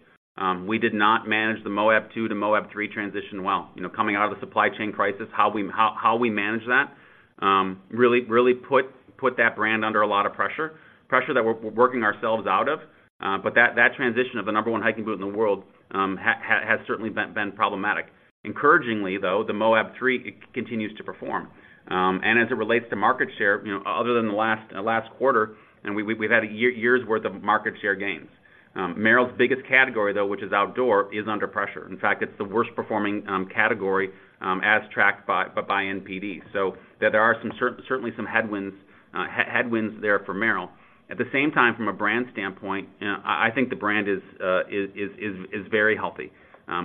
We did not manage the Moab 2 to Moab 3 transition well. You know, coming out of the supply chain crisis, how we managed that really put that brand under a lot of pressure, pressure that we're working ourselves out of, but that transition of the number one hiking boot in the world has certainly been problematic. Encouragingly, though, the Moab 3 continues to perform. And as it relates to market share, you know, other than the last quarter, we've had years' worth of market share gains. Merrell's biggest category, though, which is outdoor, is under pressure. In fact, it's the worst performing category as tracked by NPD. So there are certainly some headwinds there for Merrell. At the same time, from a brand standpoint, I think the brand is very healthy.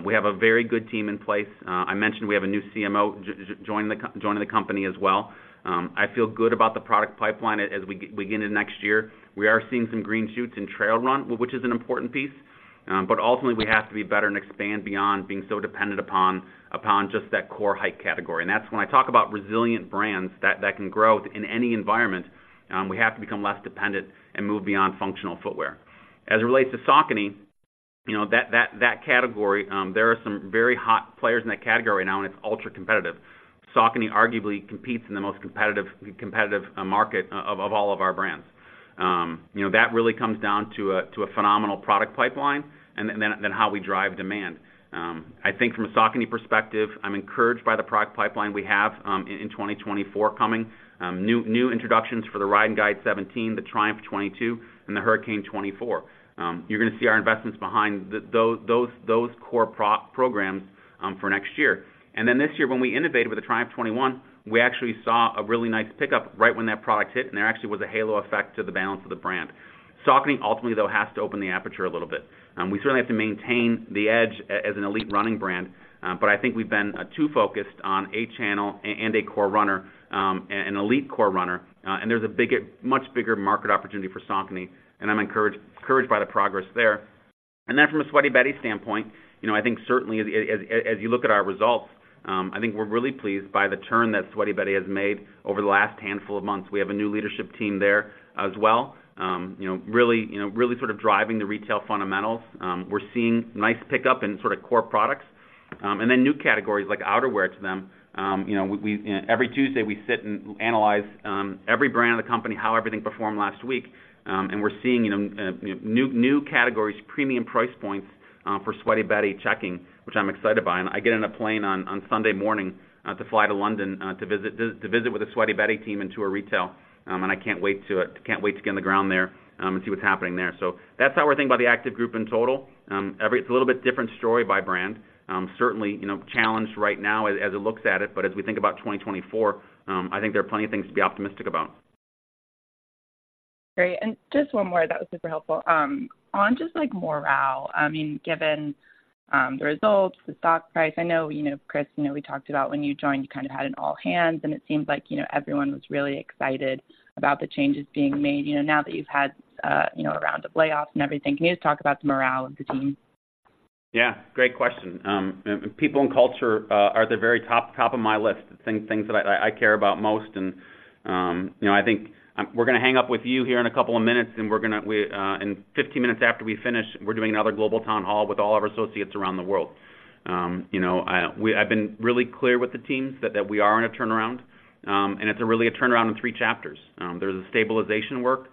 We have a very good team in place. I mentioned we have a new CMO joining the company as well. I feel good about the product pipeline as we get into next year. We are seeing some green shoots in Trail Run, which is an important piece. But ultimately, we have to be better and expand beyond being so dependent upon just that core hike category. And that's when I talk about resilient brands that can grow in any environment, we have to become less dependent and move beyond functional footwear. As it relates to Saucony, you know, that category, there are some very hot players in that category right now, and it's ultra-competitive. Saucony arguably competes in the most competitive market of all of our brands. You know, that really comes down to a phenomenal product pipeline and then how we drive demand. I think from a Saucony perspective, I'm encouraged by the product pipeline we have in 2024 coming. New introductions for the Ride 17 and Guide 17, the Triumph 22, and the Hurricane 24. You're gonna see our investments behind those core programs for next year. And then this year, when we innovated with the Triumph 21, we actually saw a really nice pickup right when that product hit, and there actually was a halo effect to the balance of the brand. Saucony ultimately, though, has to open the aperture a little bit. We certainly have to maintain the edge as an elite running brand, but I think we've been too focused on a channel and a core runner, an elite core runner, and there's a bigger much bigger market opportunity for Saucony, and I'm encouraged by the progress there. And then from a Sweaty Betty standpoint, you know, I think certainly as you look at our results, I think we're really pleased by the turn that Sweaty Betty has made over the last handful of months. We have a new leadership team there as well, you know, really, you know, really sort of driving the retail fundamentals. We're seeing nice pickup in sort of core products, and then new categories like outerwear to them. You know, every Tuesday, we sit and analyze every brand of the company, how everything performed last week. And we're seeing, you know, new categories, premium price points, for Sweaty Betty checking, which I'm excited by. I get on a plane on Sunday morning to fly to London to visit with the Sweaty Betty team and tour retail, and I can't wait to get on the ground there and see what's happening there. So that's how we're thinking about the Active Group in total. It's a little bit different story by brand. Certainly, you know, challenged right now as it looks at it, but as we think about 2024, I think there are plenty of things to be optimistic about. Great. And just one more, that was super helpful. On just, like, morale, I mean, given, the results, the stock price, I know, you know, Chris, you know, we talked about when you joined, you kind of had an all hands, and it seemed like, you know, everyone was really excited about the changes being made. You know, now that you've had, you know, a round of layoffs and everything, can you just talk about the morale of the team? Yeah, great question. And people and culture are the very top, top of my list, things, things that I, I care about most. And, you know, I think, we're gonna hang up with you here in a couple of minutes, and 15 minutes after we finish, we're doing another global town hall with all of our associates around the world. You know, I've been really clear with the teams that, that we are in a turnaround, and it's really a turnaround in 3 chapters. There's a stabilization work,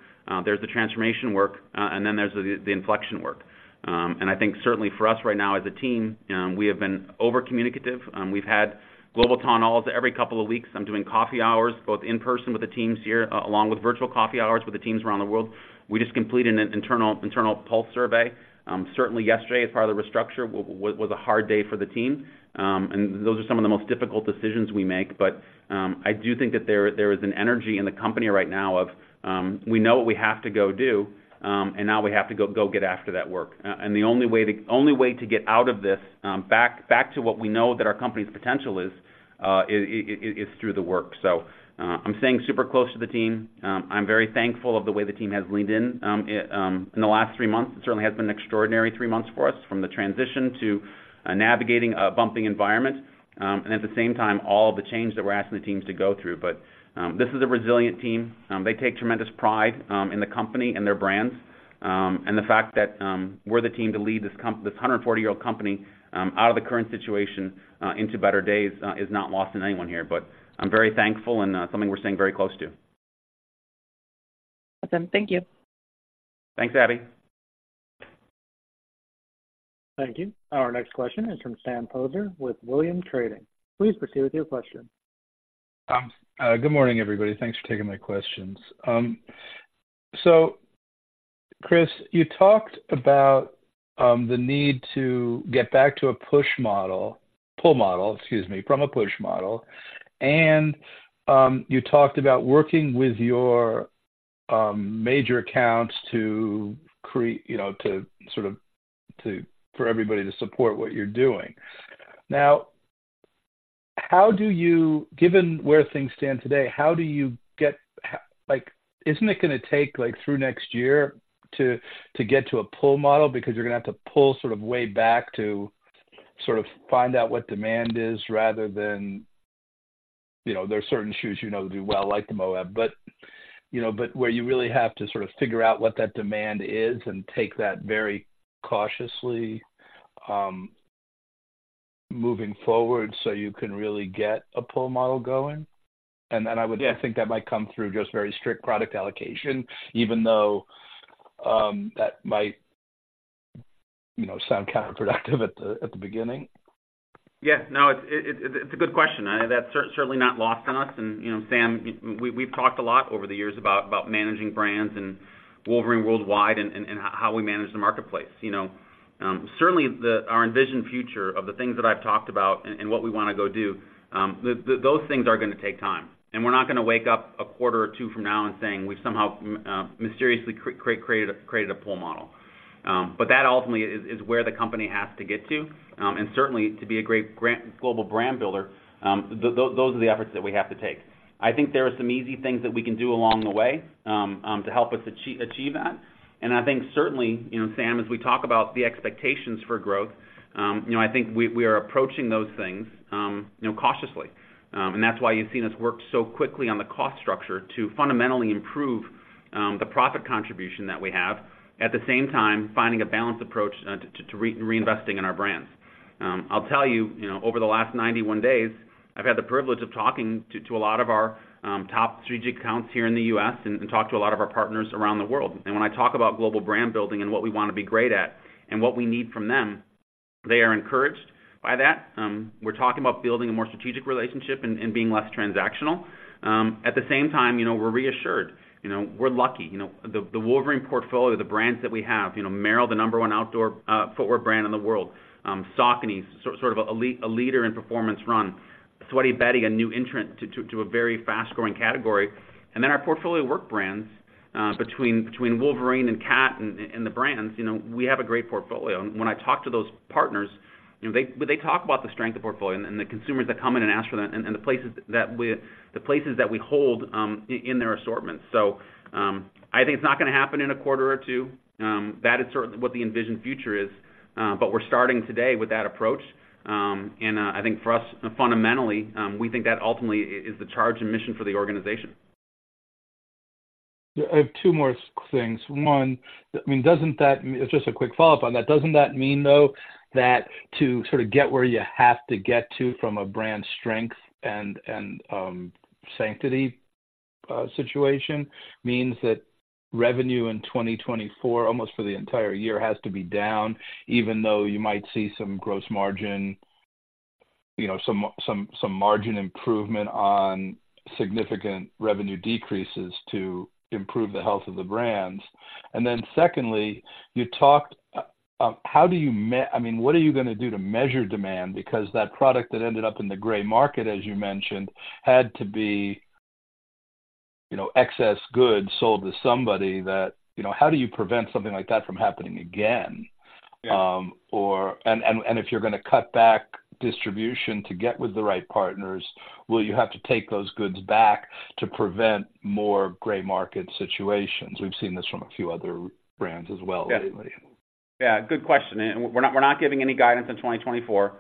there's the transformation work, and then there's the, the inflection work. And I think certainly for us right now as a team, we have been over-communicative. We've had global town halls every couple of weeks. I'm doing coffee hours, both in person with the teams here, along with virtual coffee hours with the teams around the world. We just completed an internal pulse survey. Certainly yesterday, as part of the restructure, was a hard day for the team, and those are some of the most difficult decisions we make. But I do think that there is an energy in the company right now of we know what we have to go do, and now we have to go get after that work. And the only way to get out of this back to what we know that our company's potential is, is through the work. So I'm staying super close to the team. I'm very thankful of the way the team has leaned in in the last three months. It certainly has been an extraordinary three months for us, from the transition to navigating a bumping environment and at the same time, all of the change that we're asking the teams to go through. But this is a resilient team. They take tremendous pride in the company and their brands and the fact that we're the team to lead this 140-year-old company out of the current situation into better days is not lost on anyone here. But I'm very thankful and something we're staying very close to. Awesome. Thank you. Thanks, Abbie. Thank you. Our next question is from Sam Poser with Williams Trading. Please proceed with your question. Good morning, everybody. Thanks for taking my questions. So Chris, you talked about the need to get back to a push model-pull model, excuse me, from a push model. And you talked about working with your major accounts to create... you know, to sort of for everybody to support what you're doing. Now, given where things stand today, like, isn't it gonna take like through next year to get to a pull model? Because you're gonna have to pull sort of way back to sort of find out what demand is, rather than, you know, there are certain shoes you know do well, like the Moab. But, you know, but where you really have to sort of figure out what that demand is and take that very cautiously, moving forward, so you can really get a pull model going. And then I would... Yeah. I think that might come through just very strict product allocation, even though, that might, you know, sound counterproductive at the beginning. Yeah. No, it, it, it's a good question. That's certainly not lost on us. And, you know, Sam, we, we've talked a lot over the years about managing brands and Wolverine Worldwide and how we manage the marketplace. You know, certainly our envisioned future of the things that I've talked about and what we wanna go do, those things are gonna take time. And we're not gonna wake up a quarter or two from now and saying we've somehow mysteriously created a pull model. But that ultimately is where the company has to get to. And certainly, to be a great global brand builder, those are the efforts that we have to take. I think there are some easy things that we can do along the way, to help us achieve that. And I think certainly, you know, Sam, as we talk about the expectations for growth, you know, I think we are approaching those things, you know, cautiously. And that's why you've seen us work so quickly on the cost structure to fundamentally improve the profit contribution that we have, at the same time, finding a balanced approach, to reinvesting in our brands. I'll tell you, you know, over the last 91 days, I've had the privilege of talking to a lot of our top strategic accounts here in the U.S. and talked to a lot of our partners around the world. When I talk about global brand building and what we wanna be great at and what we need from them, they are encouraged by that. We're talking about building a more strategic relationship and being less transactional. At the same time, you know, we're reassured. You know, we're lucky. You know, the Wolverine portfolio, the brands that we have, you know, Merrell, the number one outdoor footwear brand in the world, Saucony, sort of an elite leader in performance run, Sweaty Betty, a new entrant to a very fast-growing category. And then our portfolio of work brands, between Wolverine and Cat and the brands, you know, we have a great portfolio. When I talk to those partners, you know, they talk about the strength of the portfolio and the consumers that come in and ask for them, and the places that we hold in their assortment. So, I think it's not gonna happen in a quarter or two. That is certainly what the envisioned future is, but we're starting today with that approach. And, I think for us, fundamentally, we think that ultimately is the charge and mission for the organization. I have two more things. One, I mean, just a quick follow-up on that. Doesn't that mean, though, that to sort of get where you have to get to from a brand strength and sanctity situation means that revenue in 2024, almost for the entire year, has to be down, even though you might see some gross margin, you know, some margin improvement on significant revenue decreases to improve the health of the brands? And then secondly, you talked, I mean, what are you gonna do to measure demand? Because that product that ended up in the Gray Market, as you mentioned, had to be, you know, excess goods sold to somebody that... You know, how do you prevent something like that from happening again? Yeah. Or, and if you're gonna cut back distribution to get with the right partners, will you have to take those goods back to prevent more Gray Market situations? We've seen this from a few other brands as well. Yeah. Yeah, good question, and we're not giving any guidance in 2024.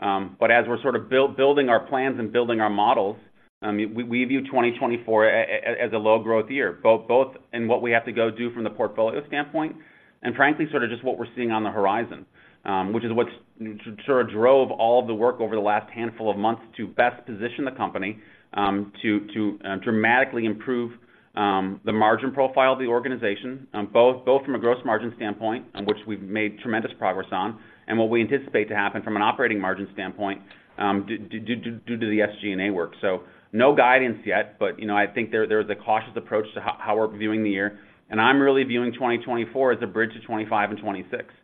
But as we're sort of building our plans and building our models, we view 2024 as a low growth year, both in what we have to go do from the portfolio standpoint, and frankly, sort of just what we're seeing on the horizon. Which is what drove all of the work over the last handful of months to best position the company to dramatically improve the margin profile of the organization, both from a gross margin standpoint, which we've made tremendous progress on, and what we anticipate to happen from an operating margin standpoint, due to the SG&A work. So no guidance yet, but you know, I think there is a cautious approach to how we're viewing the year. And I'm really viewing 2024 as a bridge to 2025 and 2026.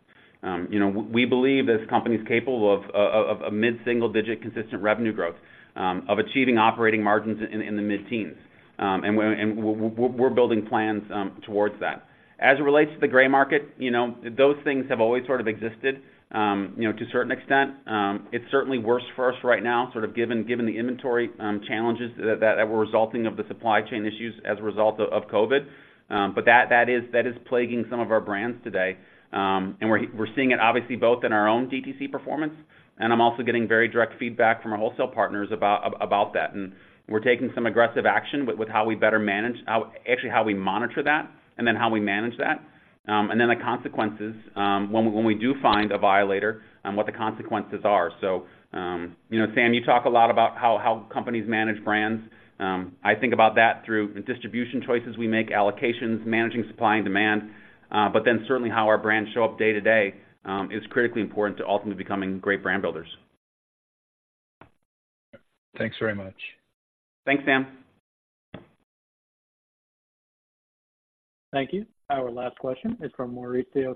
You know, we believe this company's capable of a mid-single digit consistent revenue growth, of achieving operating margins in the mid-teens. And we're building plans towards that. As it relates to the Gray Market, you know, those things have always sort of existed, you know, to a certain extent. It's certainly worse for us right now, sort of given the inventory challenges that were resulting of the supply chain issues as a result of COVID. But that is plaguing some of our brands today. And we're seeing it obviously both in our own DTC performance, and I'm also getting very direct feedback from our wholesale partners about that. And we're taking some aggressive action with how we better manage—actually, how we monitor that, and then how we manage that. And then the consequences, when we do find a violator, and what the consequences are. So, you know, Sam, you talk a lot about how companies manage brands. I think about that through the distribution choices we make, allocations, managing supply and demand, but then certainly how our brands show up day-to-day is critically important to ultimately becoming great brand builders. Thanks very much. Thanks, Sam. Thank you. Our last question is from Mauricio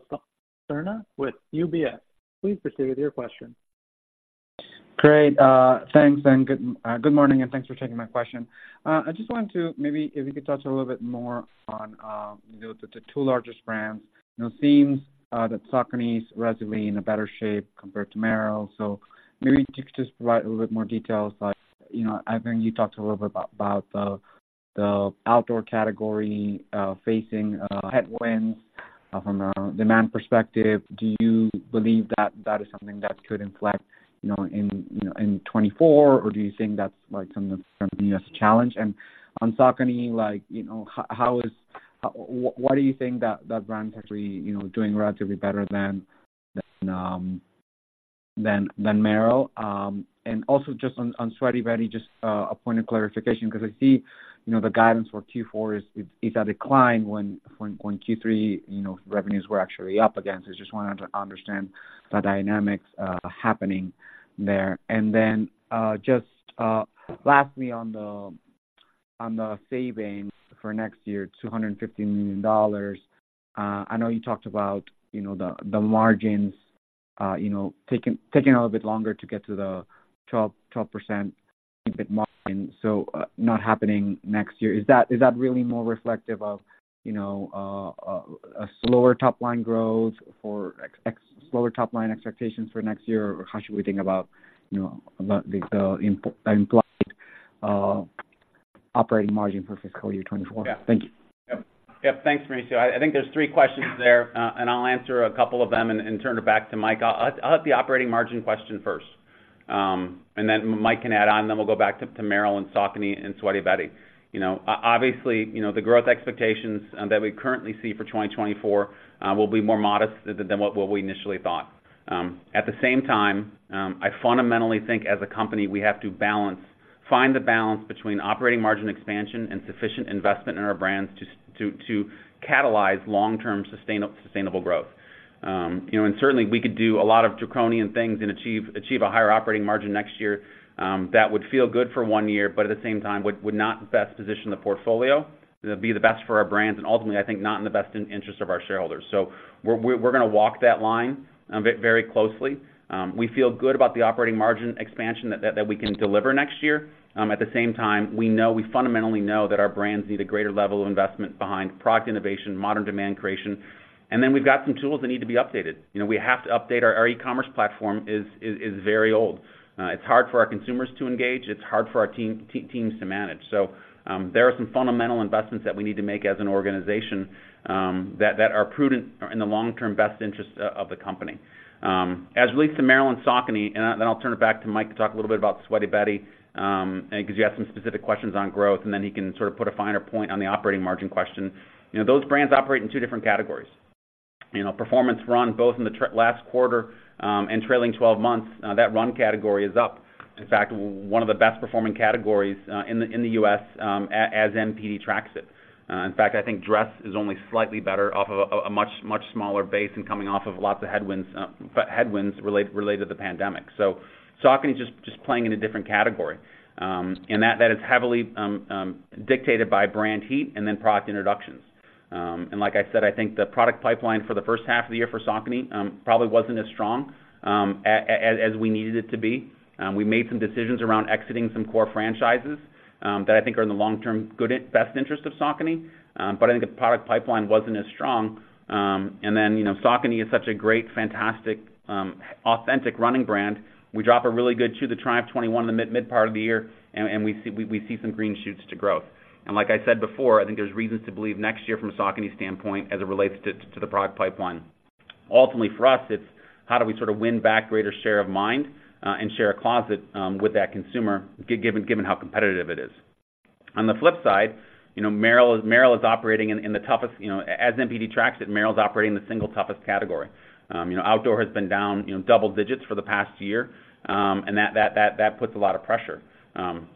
Serna with UBS. Please proceed with your question. Great. Thanks, and good morning, and thanks for taking my question. I just wanted to, maybe if you could touch a little bit more on, you know, the two largest brands. You know, seems that Saucony's relatively in a better shape compared to Merrell. So maybe you could just provide a little bit more details, like, you know, I think you talked a little bit about the outdoor category facing headwinds from a demand perspective. Do you believe that that is something that could inflect, you know, in 2024? Or do you think that's, like, something that's gonna be less a challenge? And on Saucony, like, you know, why do you think that brand is actually, you know, doing relatively better than Merrell? And also just on Sweaty Betty, just a point of clarification, because I see, you know, the guidance for Q4 is a decline when Q3, you know, revenues were actually up again. So I just wanted to understand the dynamics happening there. And then just lastly, on the savings for next year, $250 million. I know you talked about, you know, the margins, you know, taking a little bit longer to get to the 12% margin, so not happening next year. Is that really more reflective of, you know, a slower top-line growth for slower top-line expectations for next year, or how should we think about, you know, the implied operating margin for fiscal year 2024? Yeah. Thank you. Yep. Yep. Thanks, Mauricio. I think there's three questions there, and I'll answer a couple of them and turn it back to Mike. I'll have the operating margin question first, and then Mike can add on, then we'll go back to Merrell and Saucony and Sweaty Betty. You know, obviously, you know, the growth expectations that we currently see for 2024 will be more modest than what we initially thought. At the same time, I fundamentally think as a company, we have to balance, find the balance between operating margin expansion and sufficient investment in our brands to catalyze long-term sustainable growth. You know, and certainly, we could do a lot of draconian things and achieve a higher operating margin next year, that would feel good for one year, but at the same time, would not best position the portfolio to be the best for our brands, and ultimately, I think not in the best interest of our shareholders. So we're gonna walk that line very closely. We feel good about the operating margin expansion that we can deliver next year. At the same time, we know we fundamentally know that our brands need a greater level of investment behind product innovation, modern demand creation, and then we've got some tools that need to be updated. You know, we have to update our e-commerce platform, which is very old. It's hard for our consumers to engage, it's hard for our team, teams to manage. So, there are some fundamental investments that we need to make as an organization, that are prudent in the long-term best interest of the company. As it relates to Merrell and Saucony, and then I'll turn it back to Mike to talk a little bit about Sweaty Betty, and 'cause he had some specific questions on growth, and then he can sort of put a finer point on the operating margin question. You know, those brands operate in two different categories. You know, performance run, both in the last quarter, and trailing twelve months, that run category is up. In fact, one of the best performing categories, in the, in the U.S., as NPD tracks it. In fact, I think dress is only slightly better off a much, much smaller base and coming off of lots of headwinds related to the pandemic. So Saucony is just playing in a different category, and that is heavily dictated by brand heat and then product introductions. And like I said, I think the product pipeline for the first half of the year for Saucony probably wasn't as strong as we needed it to be. We made some decisions around exiting some core franchises that I think are in the long term good, best interest of Saucony. But I think the product pipeline wasn't as strong. And then, you know, Saucony is such a great, fantastic authentic running brand. We drop a really good shoe, the Triumph 21 in the mid part of the year, and we see some green shoots to growth. And like I said before, I think there's reasons to believe next year from a Saucony standpoint, as it relates to the product pipeline. Ultimately, for us, it's how do we sort of win back greater share of mind and share a closet with that consumer, given how competitive it is. On the flip side, you know, Merrell is operating in the toughest. You know, as NPD tracks it, Merrell is operating in the single toughest category. You know, outdoor has been down double digits for the past year, and that puts a lot of pressure.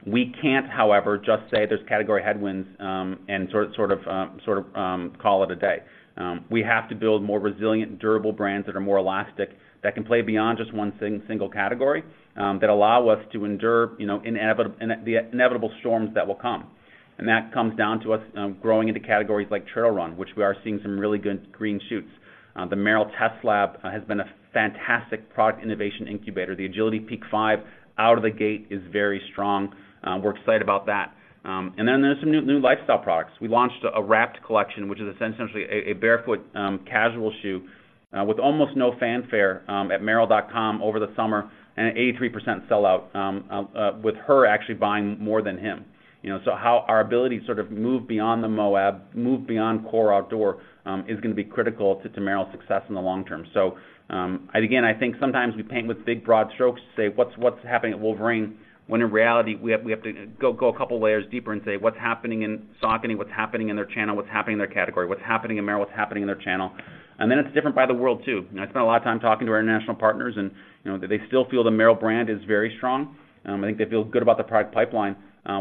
We can't, however, just say there's category headwinds and sort of call it a day. We have to build more resilient, durable brands that are more elastic, that can play beyond just one single category, that allow us to endure, you know, the inevitable storms that will come. And that comes down to us growing into categories like trail run, which we are seeing some really good green shoots. The Merrell Test Lab has been a fantastic product innovation incubator. The Agility Peak 5, out of the gate is very strong. We're excited about that. And then there's some new lifestyle products. We launched a Wrapt collection, which is essentially a barefoot casual shoe with almost no fanfare at Merrell.com over the summer, and an 83% sellout with her actually buying more than him. You know, so how our ability to sort of move beyond the Moab, move beyond core outdoor is gonna be critical to Merrell's success in the long term. So, again, I think sometimes we paint with big, broad strokes to say, "What's happening at Wolverine?" When in reality, we have to go a couple layers deeper and say, "What's happening in Saucony? What's happening in their channel? What's happening in their category? What's happening in Merrell? What's happening in their channel?" And then it's different by the world, too. And I spent a lot of time talking to our international partners, and, you know, they still feel the Merrell brand is very strong. I think they feel good about the product pipeline.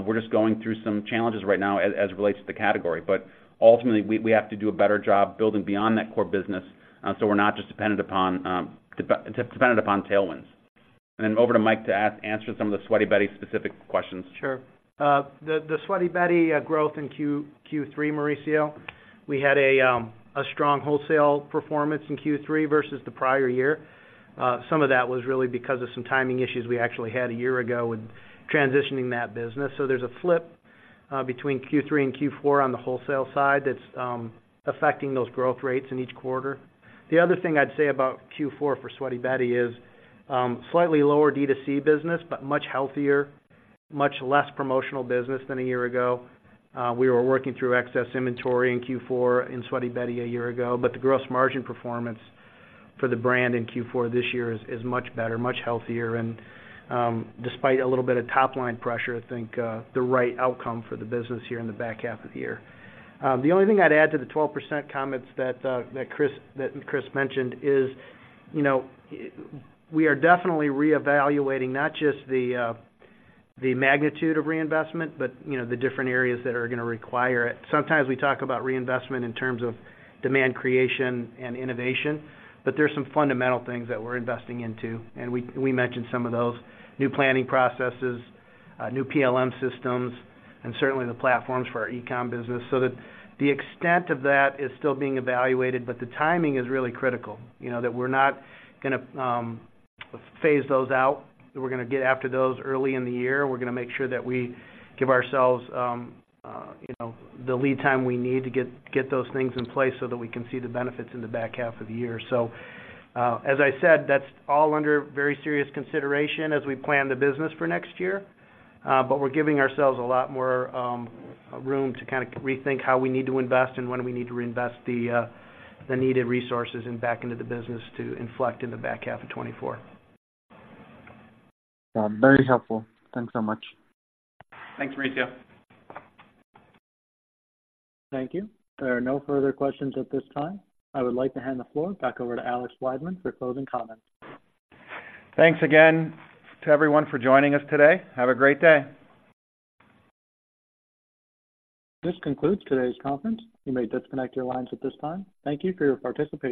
We're just going through some challenges right now as it relates to the category. But ultimately, we have to do a better job building beyond that core business, so we're not just dependent upon tailwinds. And then over to Mike to answer some of the Sweaty Betty specific questions. Sure. The Sweaty Betty growth in Q3, Mauricio, we had a strong wholesale performance in Q3 versus the prior year. Some of that was really because of some timing issues we actually had a year ago with transitioning that business. So there's a flip between Q3 and Q4 on the wholesale side that's affecting those growth rates in each quarter. The other thing I'd say about Q4 for Sweaty Betty is slightly lower D2C business, but much healthier, much less promotional business than a year ago. We were working through excess inventory in Q4 in Sweaty Betty a year ago, but the gross margin performance for the brand in Q4 this year is much better, much healthier, and despite a little bit of top line pressure, I think the right outcome for the business here in the back half of the year. The only thing I'd add to the 12% comments that Chris mentioned is, you know, we are definitely reevaluating not just the magnitude of reinvestment, but you know, the different areas that are gonna require it. Sometimes we talk about reinvestment in terms of demand creation and innovation, but there's some fundamental things that we're investing into, and we mentioned some of those. New planning processes, new PLM systems, and certainly the platforms for our e-com business. So the extent of that is still being evaluated, but the timing is really critical. You know, that we're not gonna phase those out, that we're gonna get after those early in the year. We're gonna make sure that we give ourselves you know, the lead time we need to get those things in place so that we can see the benefits in the back half of the year. So, as I said, that's all under very serious consideration as we plan the business for next year, but we're giving ourselves a lot more room to kind of rethink how we need to invest and when we need to reinvest the needed resources and back into the business to inflect in the back half of 2024. Very helpful. Thanks so much. Thanks, Mauricio. Thank you. There are no further questions at this time. I would like to hand the floor back over to Alex Wiseman for closing comments. Thanks again to everyone for joining us today. Have a great day. This concludes today's conference. You may disconnect your lines at this time. Thank you for your participation.